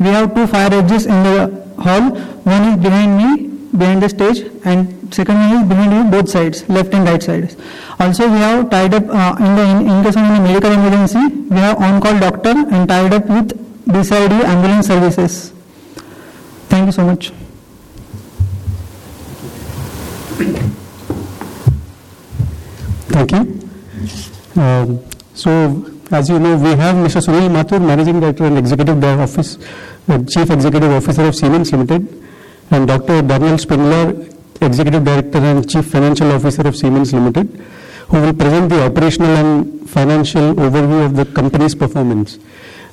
We have two fire edges in the hall. One is behind me, behind the stage, and second one is behind me, both sides, left and right sides. Also, we have tied up in the in case of medical emergency, we have on call doctor and tied up with decided ambulance services. Thank you so much. Thank you. So, yes we have Mr. Sunil Mathur, Managing Director and Executive Officer, Chief Executive Officer of Siemens Limited, and Dr. Daniel Spindler, Executive Director and Chief Financial Officer of Siemens Limited, who will present the operational and financial overview of the company's performance.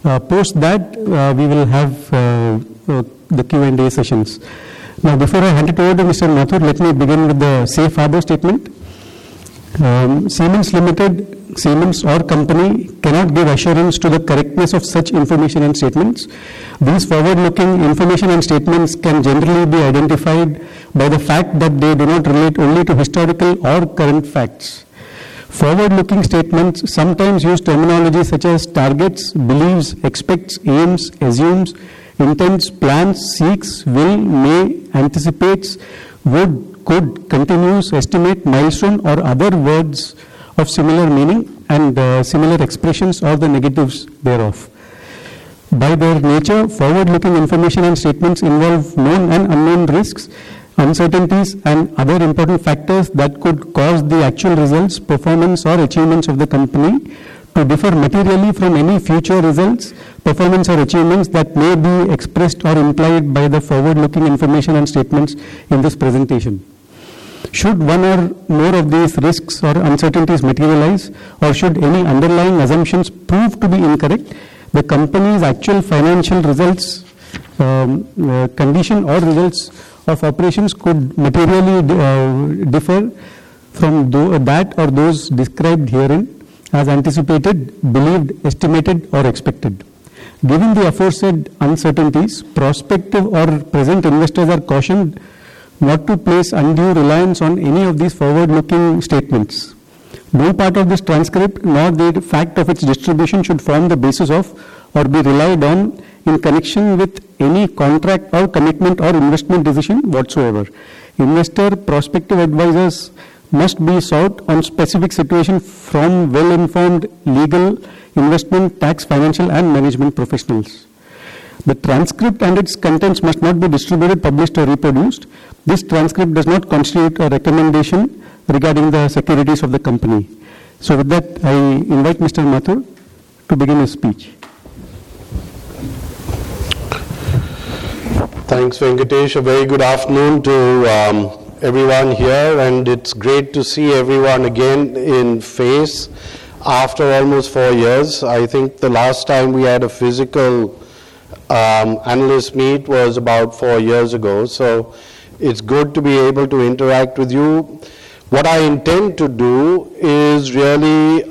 Post that, we will have the Q and A sessions. Now, before I hand it over to Mr. Mathur, let me begin with the safe harbor statement. Siemens Limited, Siemens or Company cannot give assurance to the correctness of such information and statements. This forward looking information and statements can generally be identified by the fact that they do not relate only to historical or current facts. Forward looking statements sometimes use terminology such as targets, believes, expects, aims, assumes, intends, plans, seeks, will, may, anticipates, would, could, continues, estimate, milestone, or other words of similar meaning and similar expressions, or the negatives thereof. By their nature, forward looking information and statements involve known and unknown risks, uncertainties and other important factors that could cause the actual results, performance or achievements of the company to differ materially from any future results, performance or achievements that may be expressed or implied by the forward looking information and statements in this presentation. Should one or more of these risks or uncertainties materialize, or should any underlying assumptions prove to be incorrect, the company's actual financial results, condition or results of operations could materially differ from that or those described herein as anticipated, believed, estimated or expected. Given the aforesaid uncertainties, prospective or present investors are cautioned not to place any reliance on any of these forward-looking statements. No part of this transcript, nor the fact of its distribution should form the basis of or be relied on in connection with any contract or commitment or investment decision whatsoever. Investors' prospective advisors must be served on specific situation from well-informed legal investment, tax, financial and management professionals. The transcript and its contents must not be distributed, published or reproduced. This transcript does not constitute any recommendation regarding the securities of the company. So, with that, I invite Mr. Mathur to begin his speech. Thanks, Venkatesh. A very good afternoon to everyone here, and it's great to see everyone again in face. After almost four years, the last time we had a physical analyst meet was about four years ago. It's good to be able to interact with you. What I intend to do is really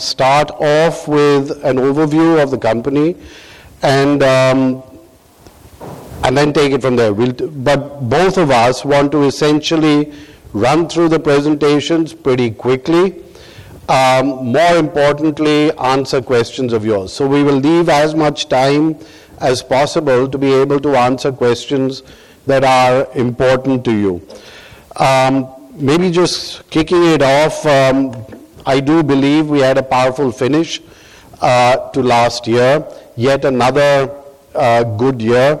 start off with an overview of the company, and then take it from there. Will but, both of us want to essentially run through the presentations pretty quickly. More importantly, answer questions of yours. We will leave as much time as possible to be able to answer questions that are important to you. Maybe just kicking it off, I do believe we had a powerful finish to last year. Yet another good year.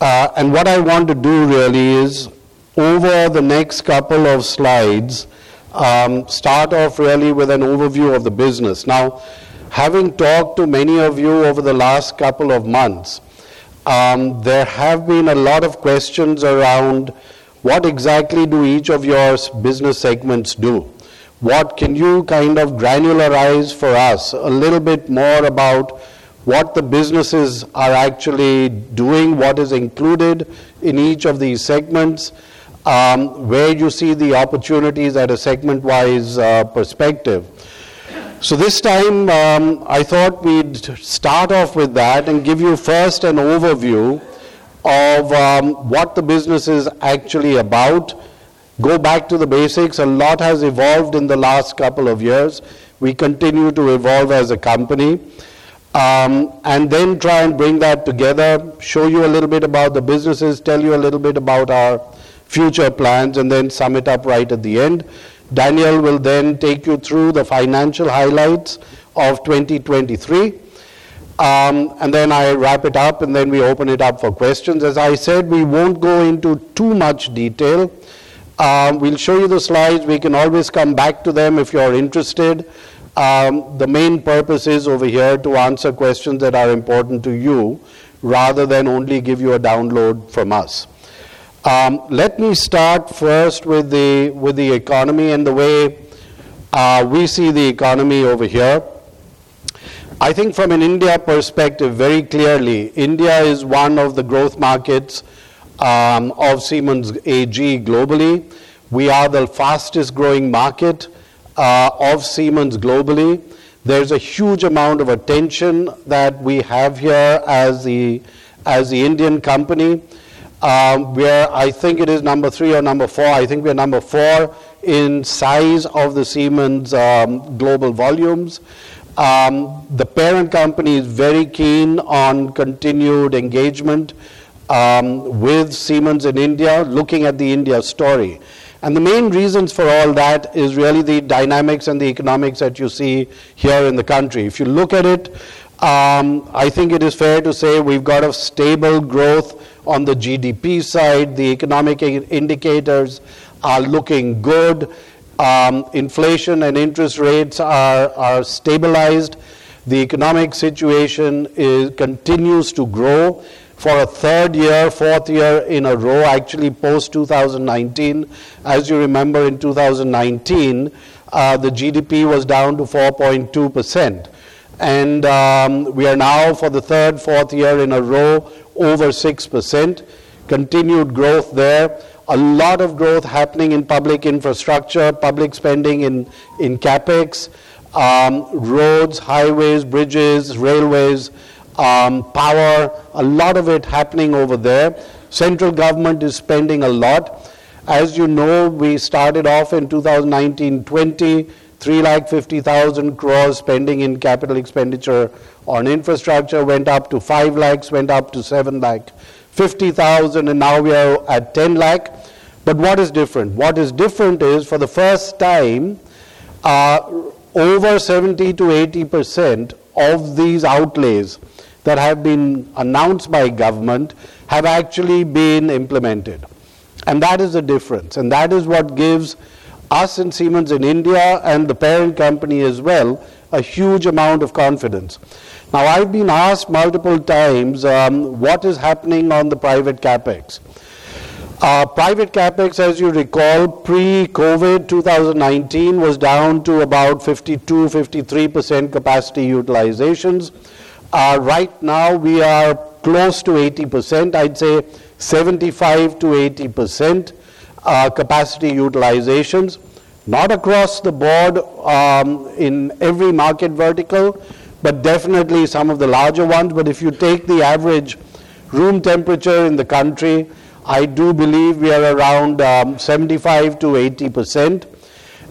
And what I want to do really is, over the next couple of slides, start off really with an overview of the business. Now, having talked to many of you over the last couple of months, there have been a lot of questions around what exactly do each of your business segments do. What can you kind of granularize for us a little bit more about what the business is actually doing, what is included in each of this segments, where you see the opportunities at a segment-wise perspective. So, this time I thought we'd start off with that and give you first an overview of what the business is actually about. Go back to the basics, and a lot has evolved in the last couple of years. We continue to evolve as a company, and then try and bring that together, show you a little bit about the business, tell you a little bit about our future plans, and then sum it up right at the end. Daniel will then take you through the financial highlights of 2023, and then I will wrap it up, and then we open it up for questions. As I said, we won't go into too much detail. Will show you the slides, we can always come back to them if you are interested. The main purpose is over here to answer questions that are important to you, rather than only give you a download from us. Let me start first with the economy and the way we see the economy over here. I think from an India perspective, very clearly, India is one of the growth markets of Siemens AG globally. We are the fastest growing market of Siemens globally. There is a huge amount of attention that we have here as the Indian company, where I think it is number three or number four. I think we are number four in size of the Siemens global volumes. The parent company is very keen on continued engagement with Siemens in India, looking at the India story. And the main reasons for all that is really the dynamics and the economics that you see here in the country. If you look at it, I think it is fair to say, we got a stable growth on the GDP side. The economic indicators are looking good, inflation and interest rates are stabilized. The economic situation is continue to grow for a third year, fourth year in a row, actually post 2019. Yes, you remember, in 2019, the GDP was down to 4.2%, and we are now for the third fourth year in a row, over 6% continued growth there. A lot of growth happening in public infrastructure, public spending in CapEx, roads, highways, bridges, railways, power, a lot of it happening over there. Central government is spending a lot. Yes, we started off in 2019-2020, ₹3.5 lakh crores spending in capital expenditure on infrastructure, went up to ₹5 lakhs, went up to ₹7.5 lakh, and now we are at ₹10 lakhs. But what is different? What is different is for the first time, over 70%-80% of this outlay that have been announced by government have actually been implemented. And that is the difference, and that is what gives us in Siemens in India and the parent company as well a huge amount of confidence. Now, I have been asked multiple times, what is happening on the private CapEx? Private CapEx, yes, you recall, pre-COVID 2019, was down to about 52, 53% capacity utilizations. Right now, we are close to 80%, I would say 75%-80% capacity utilizations, not across the board in every market vertical, but definitely some of the larger ones. But if you take the average room temperature in the country, I do believe we are around 75%-80%.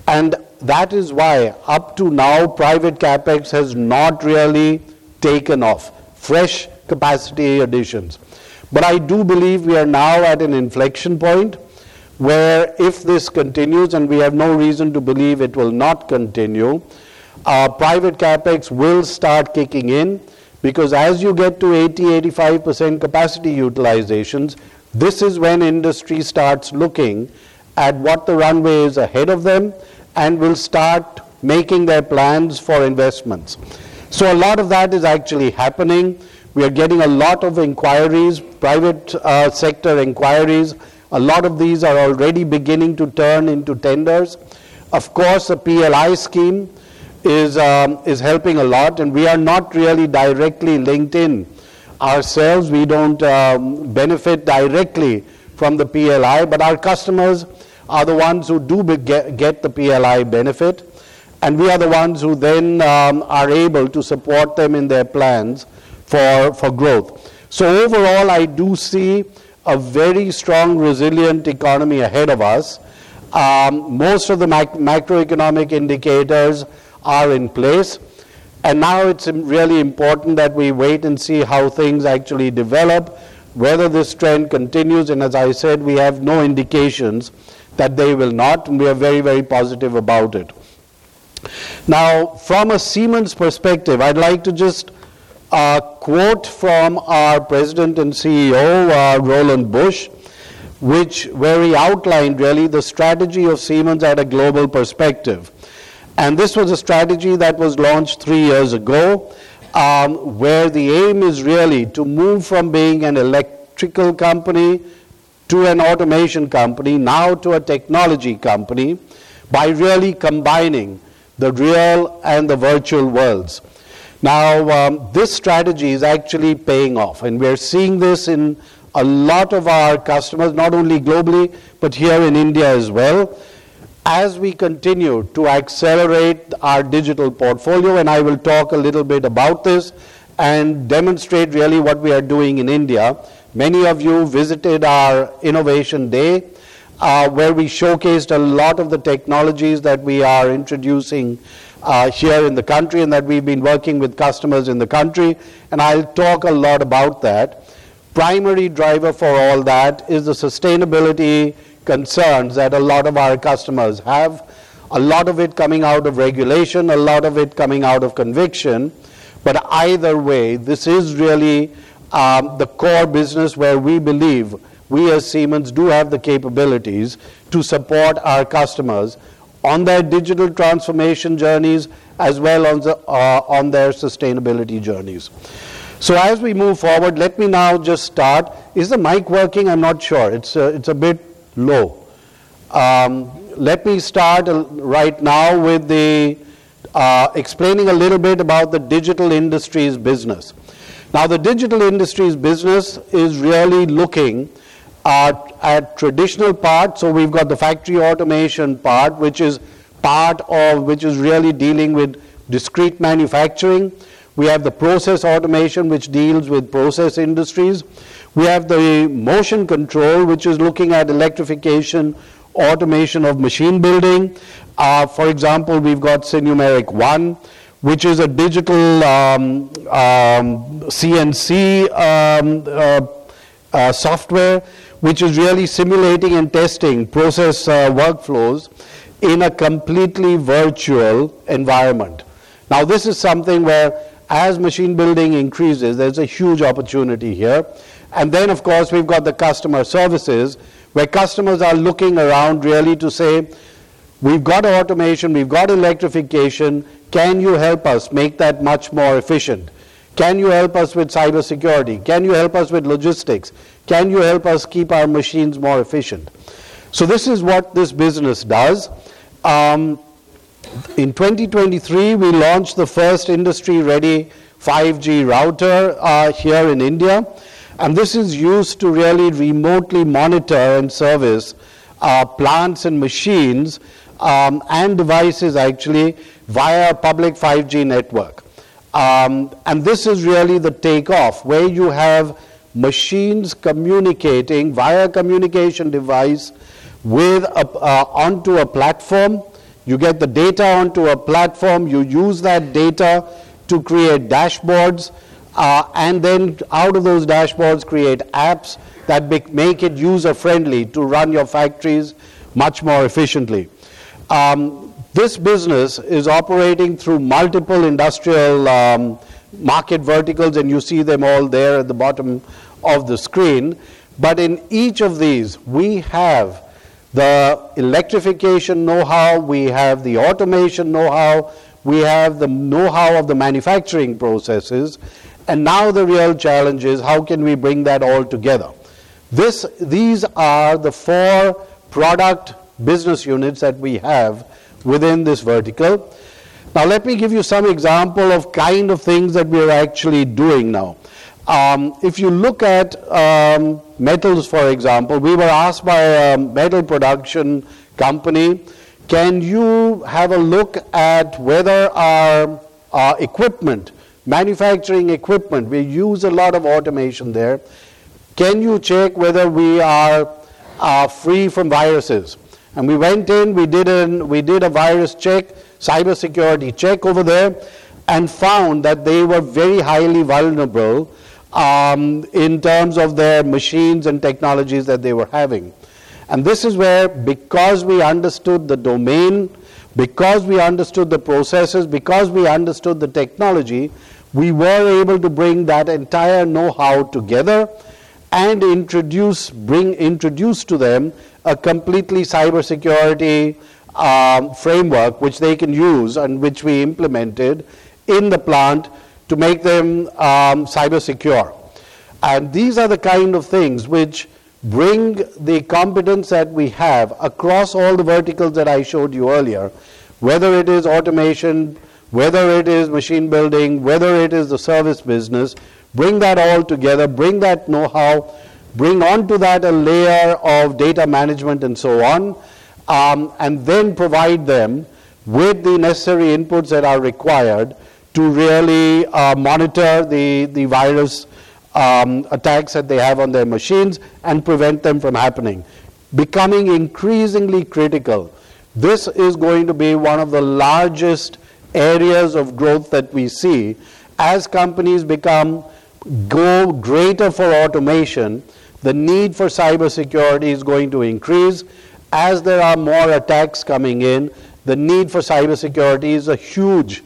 And that is why up to now, private CapEx has not really taken off fresh capacity additions. But I do believe we are now at an inflection point, where if this continues, and we have no reason to believe it will not continue, private CapEx will start kicking in, because yes, you get to 80, 85% capacity utilizations. This is when industry starts looking at what the runway is ahead of them, and will start making their plans for investments. So, a lot of that is actually happening. We are getting a lot of enquiries, private sector enquiries, a lot of this are already beginning to turn into tenders. The PLI scheme is helping a lot, and we are not really directly linked in ourself. We don't benefit directly from the PLI, but our customers are the ones who do get the PLI benefit, and we are the ones who then are able to support them in their plans for growth. So, overall, I do see a very strong resilient economy ahead of us. Most of the micro economic indicators are in place, and now, it's really important that we wait and see how things actually develop, whether this trend continues. And yes, I said, we have no indications that they will not, and we are very very positive about it. Now, from a Siemens perspective, I would like to just quote from our President and CEO, Roland Busch, which were he outlined really the strategy of Siemens at a global perspective. And this was a strategy that was launched three years ago, where the aim is really to move from being an electrical company to an automation company, now to a technology company, by really combining the real and the virtual worlds. Now, this strategy is actually paying off, and we are seeing this in a lot of our customers, not only globally, but here in India as well, yes, we continue to accelerate our digital portfolio. And I will talk a little bit about this and demonstrate really what we are doing in India. Many of you visited our Innovation Day, where we showcased a lot of the technologies that we are introducing here in the country, and that we have been working with customers in the country. I will talk a lot about that. Primary driver for all that is the sustainability concerns that a lot of our customers have. A lot of it coming out of regulation, a lot of it coming out of conviction. But either way, this is really the core business, where we believe we as Siemens do have the capabilities to support our customers on their digital transformation journeys, as well on their sustainability journeys. So, yes, we move forward. Let me now just start. Is the mic working? I am not sure, it's a bit low. Let me start right now with explaining a little bit about the Digital Industries business. Now, the Digital Industries business is really looking at traditional part. So, we have got the factory automation part, which is part of which is really dealing with discrete manufacturing. We have the process automation, which deals with process industries. We have the motion control, which is looking at electrification automation of machine building. For example, we have got SINUMERIK ONE, which is a digital CNC software, which is really simulating and testing process workflows in a completely virtual environment. Now, this is something where as machine building increases, there is a huge opportunity here. And then, of course, we have got the customer services, where customers are looking around really to say, we have got automation, we have got electrification. Can you help us make that much more efficient? Can you help us with cyber security? Can you help us with logistics? Can you help us keep our machines more efficient? So, this is what this business does. In 2023, we launched the first industry ready 5G router here in India, and this is used to really remotely monitor and service plants and machines and devices actually via public 5G network. This is really the take off, where you have machines communicating via communication device with onto a platform. You get the data onto a platform, you use that data to create dashboards, and then out of those dashboards create apps that make it user friendly to run your factories much more efficiently. This business is operating through multiple industrial market verticals, and you see them all there at the bottom of the screen. But in each of this, we have the electrification know-how, we have the automation know-how, we have the know-how of the manufacturing process. And now, the real challenge is how can we bring that all together? This is our the four product business units that we have within this vertical. Now, let me give you some example of kind of things that we are actually doing now. If you look at metals, for example, we were asked by a metal production company, can you have a look at whether our equipment, manufacturing equipment? We use a lot of automation there. Can you check whether we are free from viruses? And we went in, we did a virus check, cyber security check over there, and found that they were very highly vulnerable in terms of their machines and technologies that they were having. And this is where, because we understood the domain, because we understood the process, because we understood the technology, we were able to bring that entire know-how together and introduce, bring introduce to them a completely cyber security framework, which they can use and which we implemented in the plant to make them cyber secure. And these are the kind of things, which bring the competents that we have across all the verticals that I showed you earlier, whether it is automation, whether it is machine building, whether it is the service business. Bring that all together, bring that know-how, bring on to that a layer of data management and so on, and then provide them with the necessary inputs that are required to really monitor the virus attacks that they have on their machines and prevent them from happening. Becoming increasingly critical, this is going to be one of the largest areas of growth that we see. As companies become go greater for automation, the need for cyber security is going to increase. As there are more attacks coming in, the need for cyber security is a huge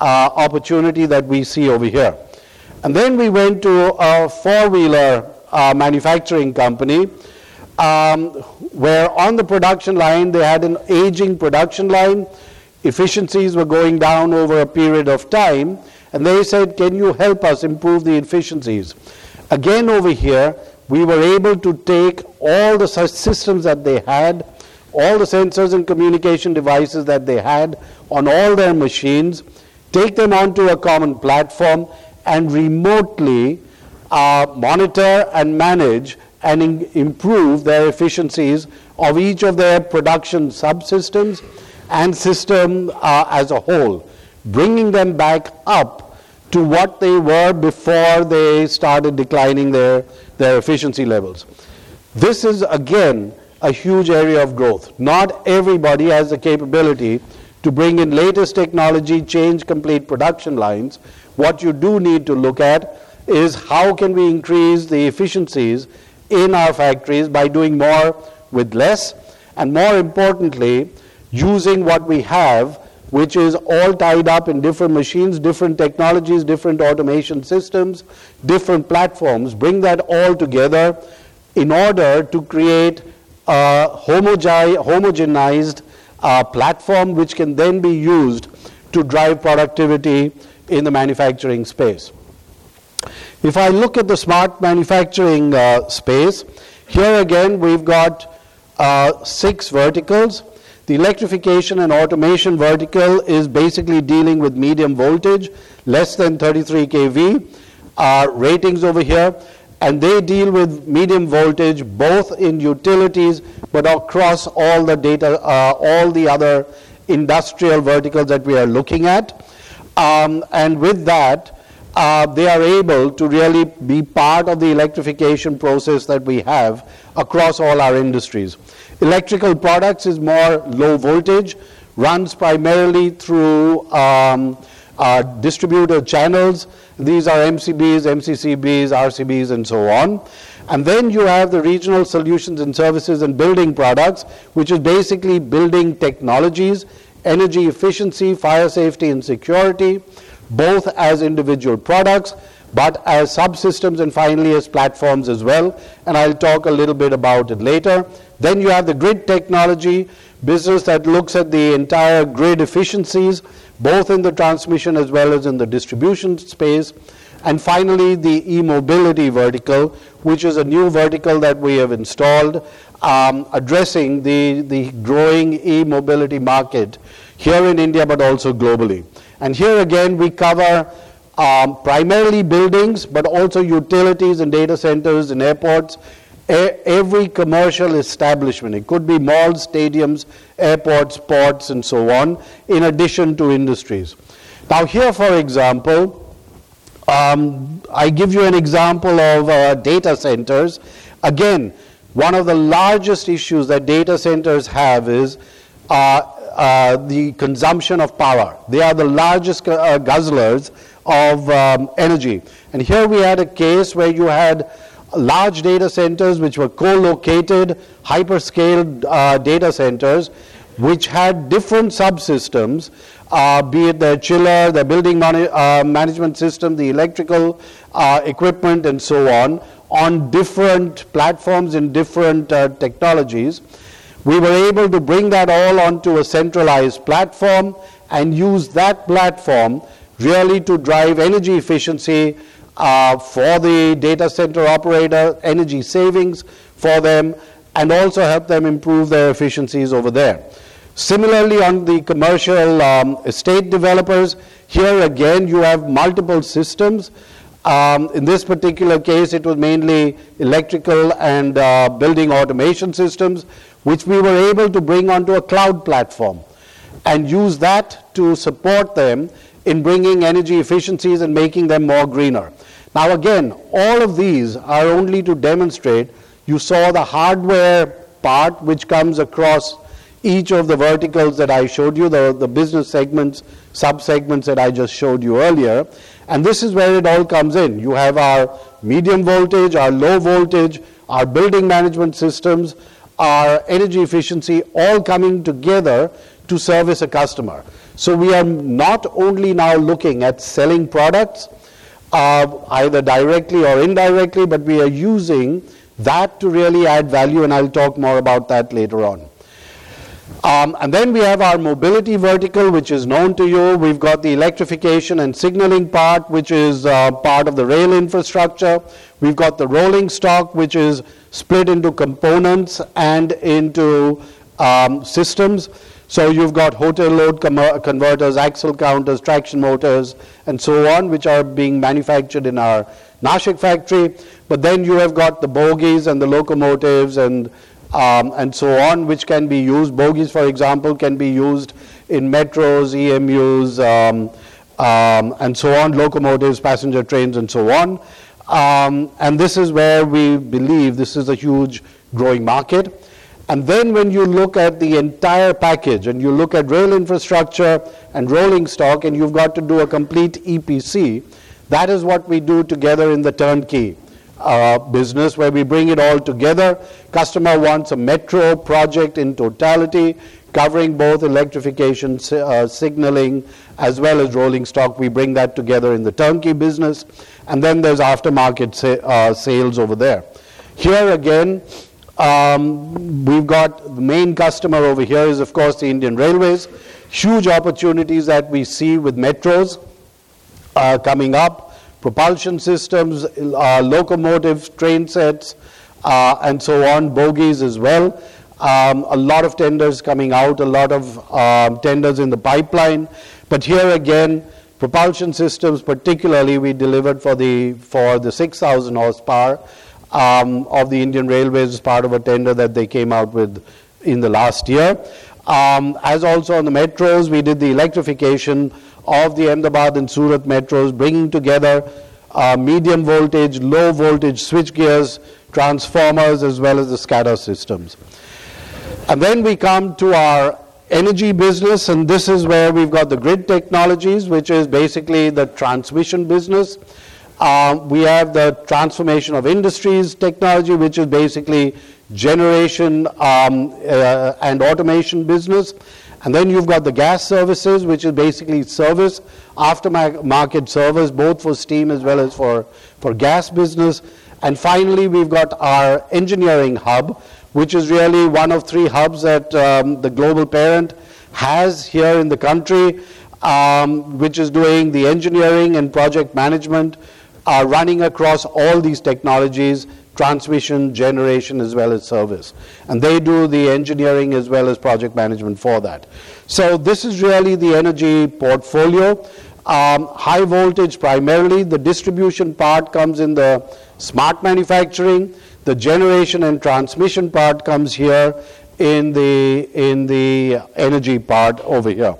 opportunity that we see over here. And then, we went to four wheeler manufacturing company, where on the production line, they had an aging production line. Efficiencies were going down over a period of time, and they said, can you help us improve the efficiencies? Again, over here, we were able to take all the systems that they had, all the sensors and communication devices that they had on all their machines, take them on to a common platform, and remotely monitor and manage and improve their efficiencies of each of their production sub systems and system as a whole, bring them back up to what they were before they started declining their efficiency levels. This is again a huge area of growth. Not everybody has the capability to bring in latest technology, change complete production lines. What you do need to look at is how can we increase the efficiencies in our factories by doing more with less, and more importantly, using what we have, which is all tied up in different machines, different technologies, different automation systems, different platforms. Bring that all together in order to create homogenized platform, which can then be used to drive productivity in the manufacturing space. If I look at the smart manufacturing space, here again, we have got six verticals. The electrification and automation vertical is basically dealing with medium voltage, less than 33 kV ratings over here, and they deal with medium voltage, both in utilities, but across all the data, all the other industrial verticals that we are looking at. And with that, they are able to really be part of the electrification process that we have across all our industries. Electrical products is more low voltage, runs primarily through distributor channels. These are MCBs, MCCBs, RCCBs, and so on. And then, you have the regional solutions and services and building products, which is basically building technologies, energy efficiency, fire safety and security, both as individual products, but as sub systems, and finally as platforms as well. And I will talk a little bit about it later. Then, you have the grid technology business that looks at the entire grid efficiencies, both in the transmission as well as in the distribution space. And finally, the e-mobility vertical, which is a new vertical that we have installed, addressing the growing e-mobility market here in India, but also globally. And here again, we cover primarily buildings, but also utilities and data centers and airports, every commercial establishment. It could be malls, stadiums, airports, ports and so on, in addition to industries. Now, here for example, I give you one example of data centers. Again, one of the largest issues that data centers have is the consumption of power. They are the largest guzzlers of energy. And here, we had a case where you had large data centers, which were co-located hyperscaled data centers, which had different subsystems, be it the chiller, the building management system, the electrical equipment and so on, on different platforms in different technologies. We were able to bring that all onto a centralized platform, and use that platform really to drive energy efficiency for the data center operator, energy savings for them, and also help them improve their efficiencies over there. Similarly, on the commercial estate developers, here again, you have multiple systems. In this particular case, it would mainly electrical and building automation systems, which we were able to bring on to a cloud platform, and use that to support them in bringing energy efficiencies and making them more greener. Now, again, all of these are only to demonstrate. You saw the hardware part, which comes across each of the verticals that I showed you, the business segments, sub segments that I just showed you earlier. This is where it all comes in. You have our medium voltage, our low voltage, our building management systems, our energy efficiency, all coming together to service a customer. So, we are not only now looking at selling products, either directly or indirectly, but we are using that to really add value. I will talk more about that later on. Then, we have our mobility vertical, which is known to you. We have got the electrification and signaling part, which is part of the rail infrastructure. We have got the rolling stock, which is split into components and into systems. So, you have got hotel load converters, axle counters, traction motors and so on, which are being manufactured in our Nashik factory. But then, you have got the bogies and the locomotives and so on, which can be used. Bogies, for example, can be used in metros, EMUs and so on, locomotives, passenger trains and so on. And this is where we believe, this is a huge growing market. And then, when you look at the entire package, and you look at rail infrastructure and rolling stock, and you have got to do a complete EPC, that is what we do together in the turnkey business, where we bring it all together. Customer wants a metro project in totality, covering both electrification, signaling as well as rolling stock. We bring that together in the turnkey business. And then, there is after market sales over there. Here again, we have got the main customer over here, is of course the Indian Railways. Huge opportunities that we see with metros coming up, propulsion systems, locomotives, train sets and so on, bogies as well. A lot of tenders coming out, a lot of tenders in the pipeline. But here again, propulsion systems, particularly, we delivered for the 6000 horsepower of the Indian Railways, part of a tender that they came out with in the last year. As also on the metros, we did the electrification of the Ahmedabad and Surat metros, bring together medium voltage, low voltage, switch gears, transformers as well as the SCADA systems. We come to our energy business, and this is where we have got the grid technologies, which is basically the transmission business. We have the transformation of industries technology, which is basically generation and automation business. You have got the gas services, which is basically service, after market service, both for steam as well as for gas business. And finally, we have got our engineering hub, which is really one of three hubs that the global parent has here in the country, which is doing the engineering and project management, running across all this technologies, transmission, generation as well as service. And they do the engineering as well as project management for that. So, this is really the energy portfolio, high voltage primarily. The distribution part comes in the smart manufacturing, the generation and transmission part comes here in the energy part over here.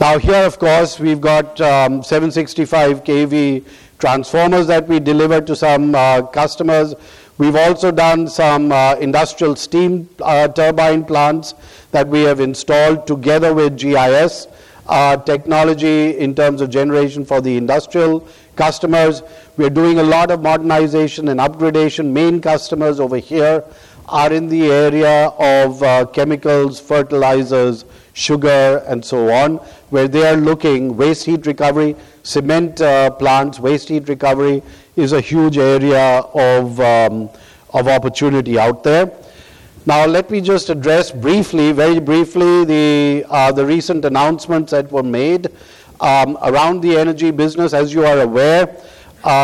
Now, here of course, we have got 765 kV transformers that we deliver to some customers. We have also done some industrial steam turbine plants that we have installed together with GIS technology in terms of generation for the industrial customers. We are doing a lot of modernization and upgradation. Main customers over here are in the area of chemicals, fertilizers, sugar and so on, where they are looking waste heat recovery, cement plants. Waste heat recovery is a huge area of opportunity out there. Now, let me just address briefly, very briefly, the recent announcements that were made around the energy business. Yes, you are aware,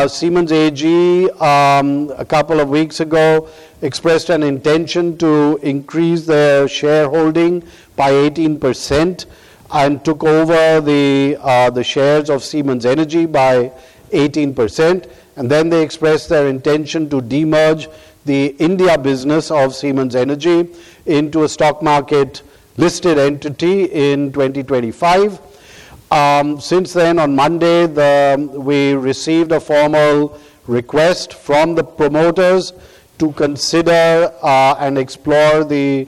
Siemens AG, a couple of weeks ago, expressed an intention to increase their shareholding by 18% and took over the shares of Siemens Energy by 18%. They expressed their intention to demerge the India business of Siemens Energy into a stock market listed entity in 2025. Since then, on Monday, we received a formal request from the promoters to consider and explore the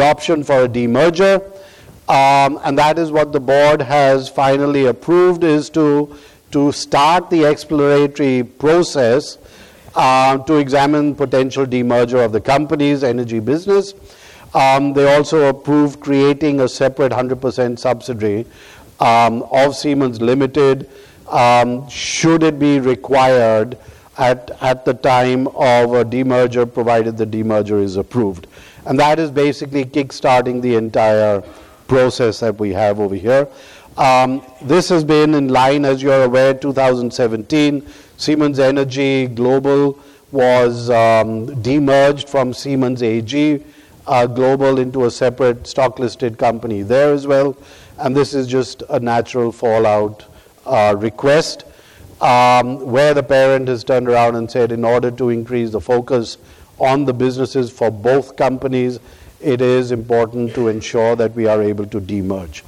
option for a demerger. And that is what the board has finally approved, is to start the exploratory process to examine potential demerger of the company's energy business. They also approved creating a separate 100% subsidiary of Siemens Limited, should it be required at the time of a demerger, provided the demerger is approved. And that is basically kick starting the entire process that we have over here. This has been in line, yes, you are aware, 2017, Siemens Energy Global was demerged from Siemens AG Global into a separate stock listed company there as well. This is just a natural follow out request, where the parent has turned around and said, in order to increase the focus on the business for both companies, it is important to ensure that we are able to demerge.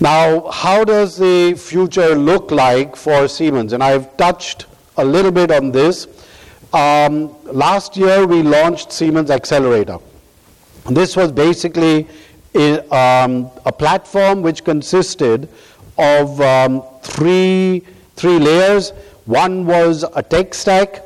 Now, how does the future look like for Siemens? I have touched a little bit on this. Last year, we launched Siemens Xcelerator. This was basically a platform, which consisted of three layers. One was a tech stack,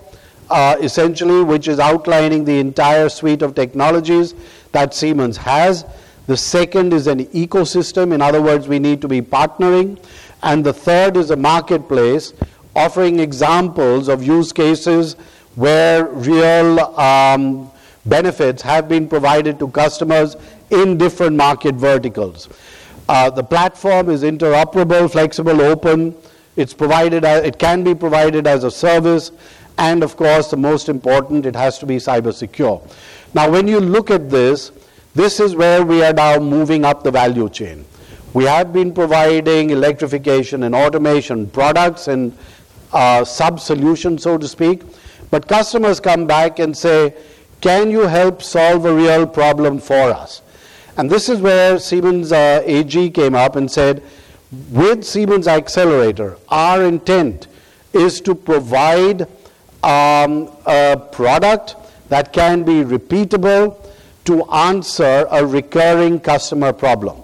essentially, which is outlining the entire suite of technologies that Siemens has. The second is an ecosystem. In other words, we need to be partnering. And the third is a marketplace, offering examples of use cases, where real benefits have been provided to customers in different market verticals. The platform is interoperable, flexible, open. It's provided, it can be provided as a service. The most important, it has to be cyber secure. Now, when you look at this, this is where we are now moving up the value chain. We have been providing electrification and automation products and sub solution, so to speak. But customers come back and say, can you help solve a real problem for us? And this is where Siemens AG came up and said, with Siemens Xcelerator, our intent is to provide a product that can be repeatable to answer a recurring customer problem.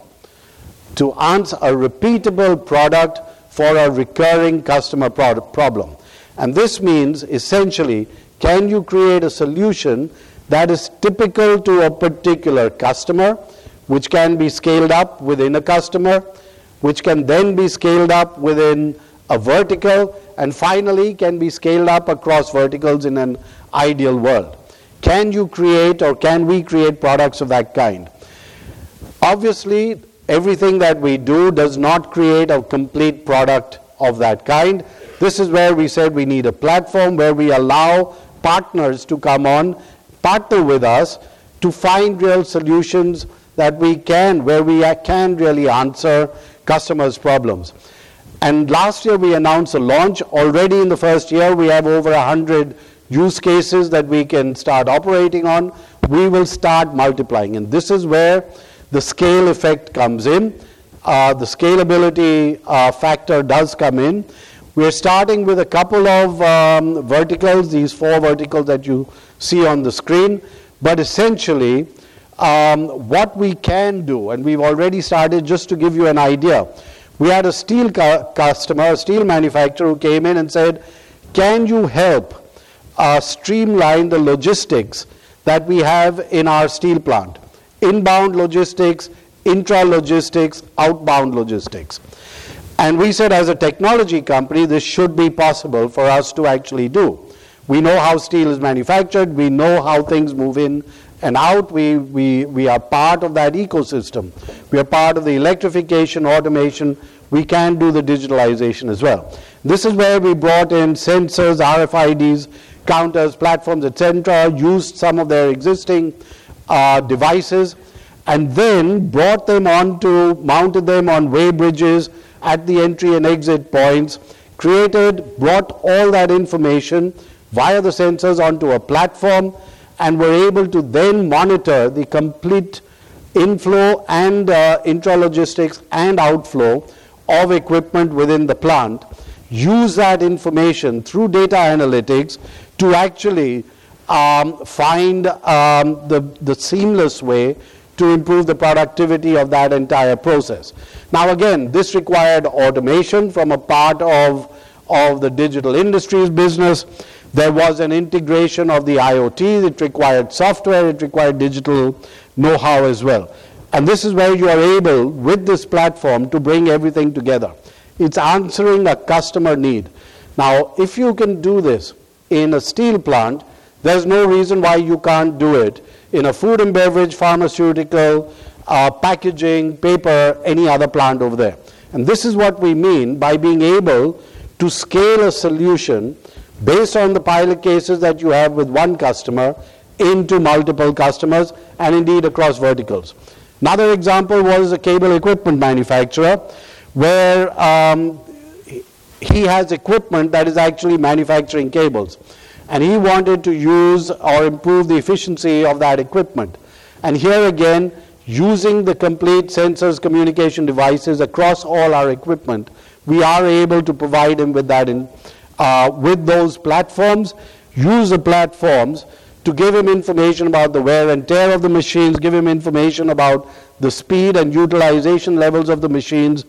To answer a repeatable product for a recurring customer problem. And this means, essentially, can you create a solution that is typical to a particular customer, which can be scaled up within a customer, which can then be scaled up within a vertical, and finally can be scaled up across verticals in an ideal world? Can you create, or can we create products of that kind? Obviously, everything that we do does not create a complete product of that kind. This is where we said, we need a platform where we allow partners to come on partner with us to find real solutions that we can, where we can really answer customers' problems. And last year, we announced a launch. Already in the first year, we have over 100 use cases that we can start operating on. We will start multiplying. And this is where the scale effect comes in. The scalability factor does come in. We are starting with a couple of verticals, these four verticals that you see on the screen. Essentially, what we can do, and we have already started, just to give you an idea, we have a steel customer, steel manufacturer, who came in and said, can you help streamline the logistics that we have in our steel plant? Inbound logistics, intra logistics, outbound logistics. And we said, as a technology company, this should be possible for us to actually do. We know how steel is manufactured, we know how things move in and out. We are part of that ecosystem. We are part of the electrification, automation. We can do the digitalization as well. This is where we brought in sensors, RFIDs, counters, platforms, essential, used some of their existing devices, and then brought them on to mounted them on weigh bridges at the entry and exit points. Created, brought all that information via the sensors onto a platform, and we're able to then monitor the complete inflow and intra logistics and outflow of equipment within the plant. Use that information through data analytics to actually find the seamless way to improve the productivity of that entire process. Now, again, this required automation from a part of the digital industries business. There was an integration of the IoT. It required software, it required digital know-how as well. And this is where you are able with this platform to bring everything together. It's answering a customer need. Now, if you can do this in a steel plant, there is no reason why you can't do it in a food and beverage, pharmaceutical, packaging, paper, any other plant over there. And this is what we mean by being able to scale a solution based on the pilot cases that you have with one customer into multiple customers, and indeed across verticals. Another example was a cable equipment manufacturer, where he has equipment that is actually manufacturing cables. And he wanted to use our improve the efficiency of that equipment. And here again, using the complete sensors, communication devices across all our equipment, we are able to provide him with that in with those platforms. Use the platforms to give him information about the wear and tear of the machines, give him information about the speed and utilization levels of the machines,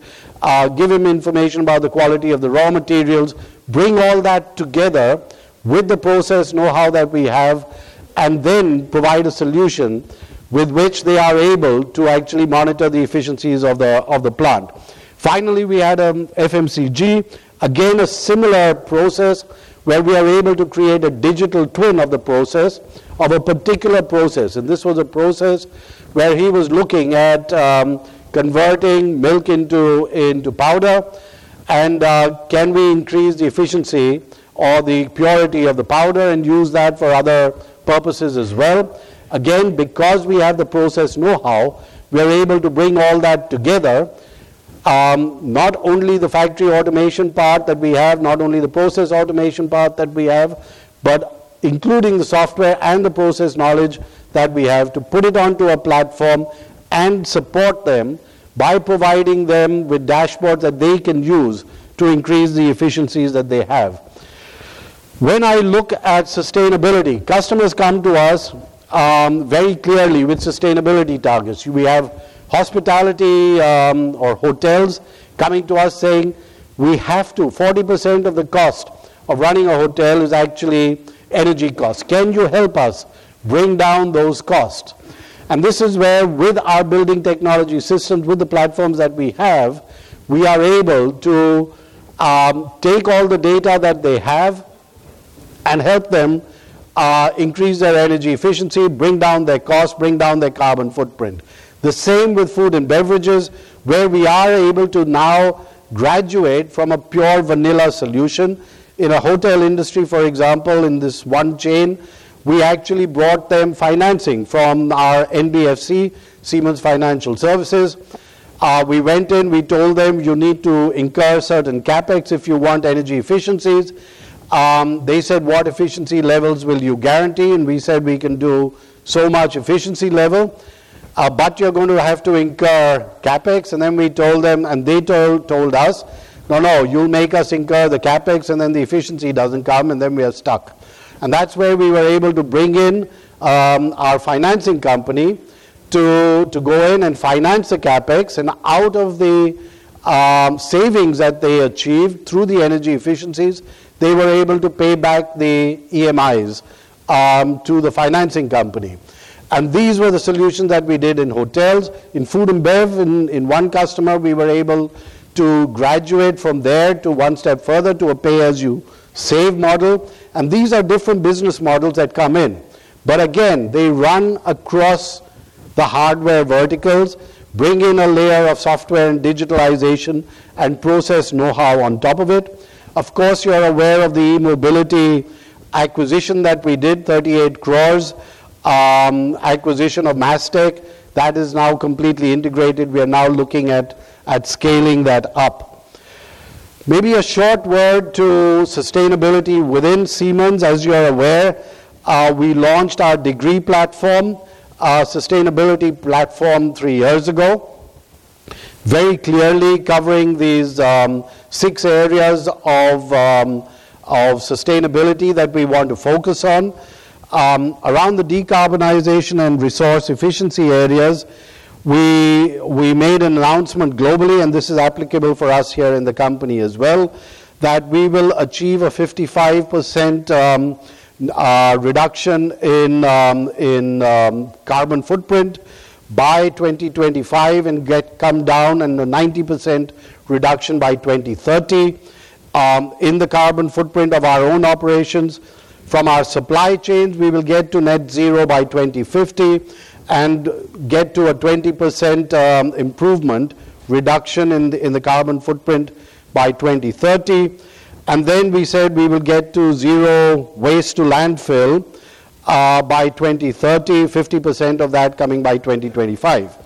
give him information about the quality of the raw materials, bring all that together with the process know-how that we have, and then provide a solution with which they are able to actually monitor the efficiencies of the plant. Finally, we had FMCG, again, a similar process where we are able to create a digital twin of the process of a particular process. This was a process where he was looking at converting milk into powder, and can we increase the efficiency of the purity of the powder, and use that for other purposes as well. Again, because we have the process know-how, we are able to bring all that together. Not only the factory automation part that we have, not only the process automation part that we have, but including the software and the process knowledge that we have to put it on to a platform and support them by providing them with dashboards that they can use to increase the efficiencies that they have. When I look at sustainability, customers come to us very clearly with sustainability targets. We have hospitality or hotels coming to us, saying, we have to 40% of the cost of running a hotel is actually energy cost. Can you help us bring down those costs? This is where with our building technology systems, with the platforms that we have, we are able to take all the data that they have and help them increase their energy efficiency, bring down their cost, bring down their carbon footprint. The same with food and beverages, where we are able to now graduate from a pure vanilla solution in a hotel industry. For example, in this one chain, we actually brought them financing from our NBFC, Siemens Financial Services. We went in, we told them, you need to incur certain CapEx if you want energy efficiencies. They said, what efficiency levels will you guarantee? And we said, we can do so much efficiency level, but you are going to have to incur CapEx. And then we told them, and they told us, no no, you will make us incur the CapEx, and then the efficiency doesn't come, and then we are stuck. And that's where we were able to bring in our financing company to go in and finance the CapEx. And out of the savings that they achieve through the energy efficiencies, they were able to pay back the EMIs to the financing company. And these were the solutions that we did in hotels, in food and beverage. In one customer, we were able to graduate from there to one step further to a pay as you save model. And these are different business models that come in. But again, they run across the hardware verticals, bring in a layer of software and digitalization and process know-how on top of it. Of course, you are aware of the e-mobility acquisition that we did, ₹38 crores acquisition of Mass-Tech, that is now completely integrated. We are now looking at scaling that up. Maybe a short word to sustainability within Siemens. As you are aware, we launched our DEGREE platform, sustainability platform, three years ago, very clearly covering this six areas of sustainability that we want to focus on. Around the decarbonization and resource efficiency areas, we made an announcement globally, and this is applicable for us here in the company as well, that we will achieve a 55% reduction in carbon footprint by 2025, and get come down in 90% reduction by 2030. In the carbon footprint of our own operations from our supply chains, we will get to net zero by 2050, and get to a 20% improvement reduction in the carbon footprint by 2030. And then we said, we will get to zero waste to landfill by 2030, 50% of that coming by 2025.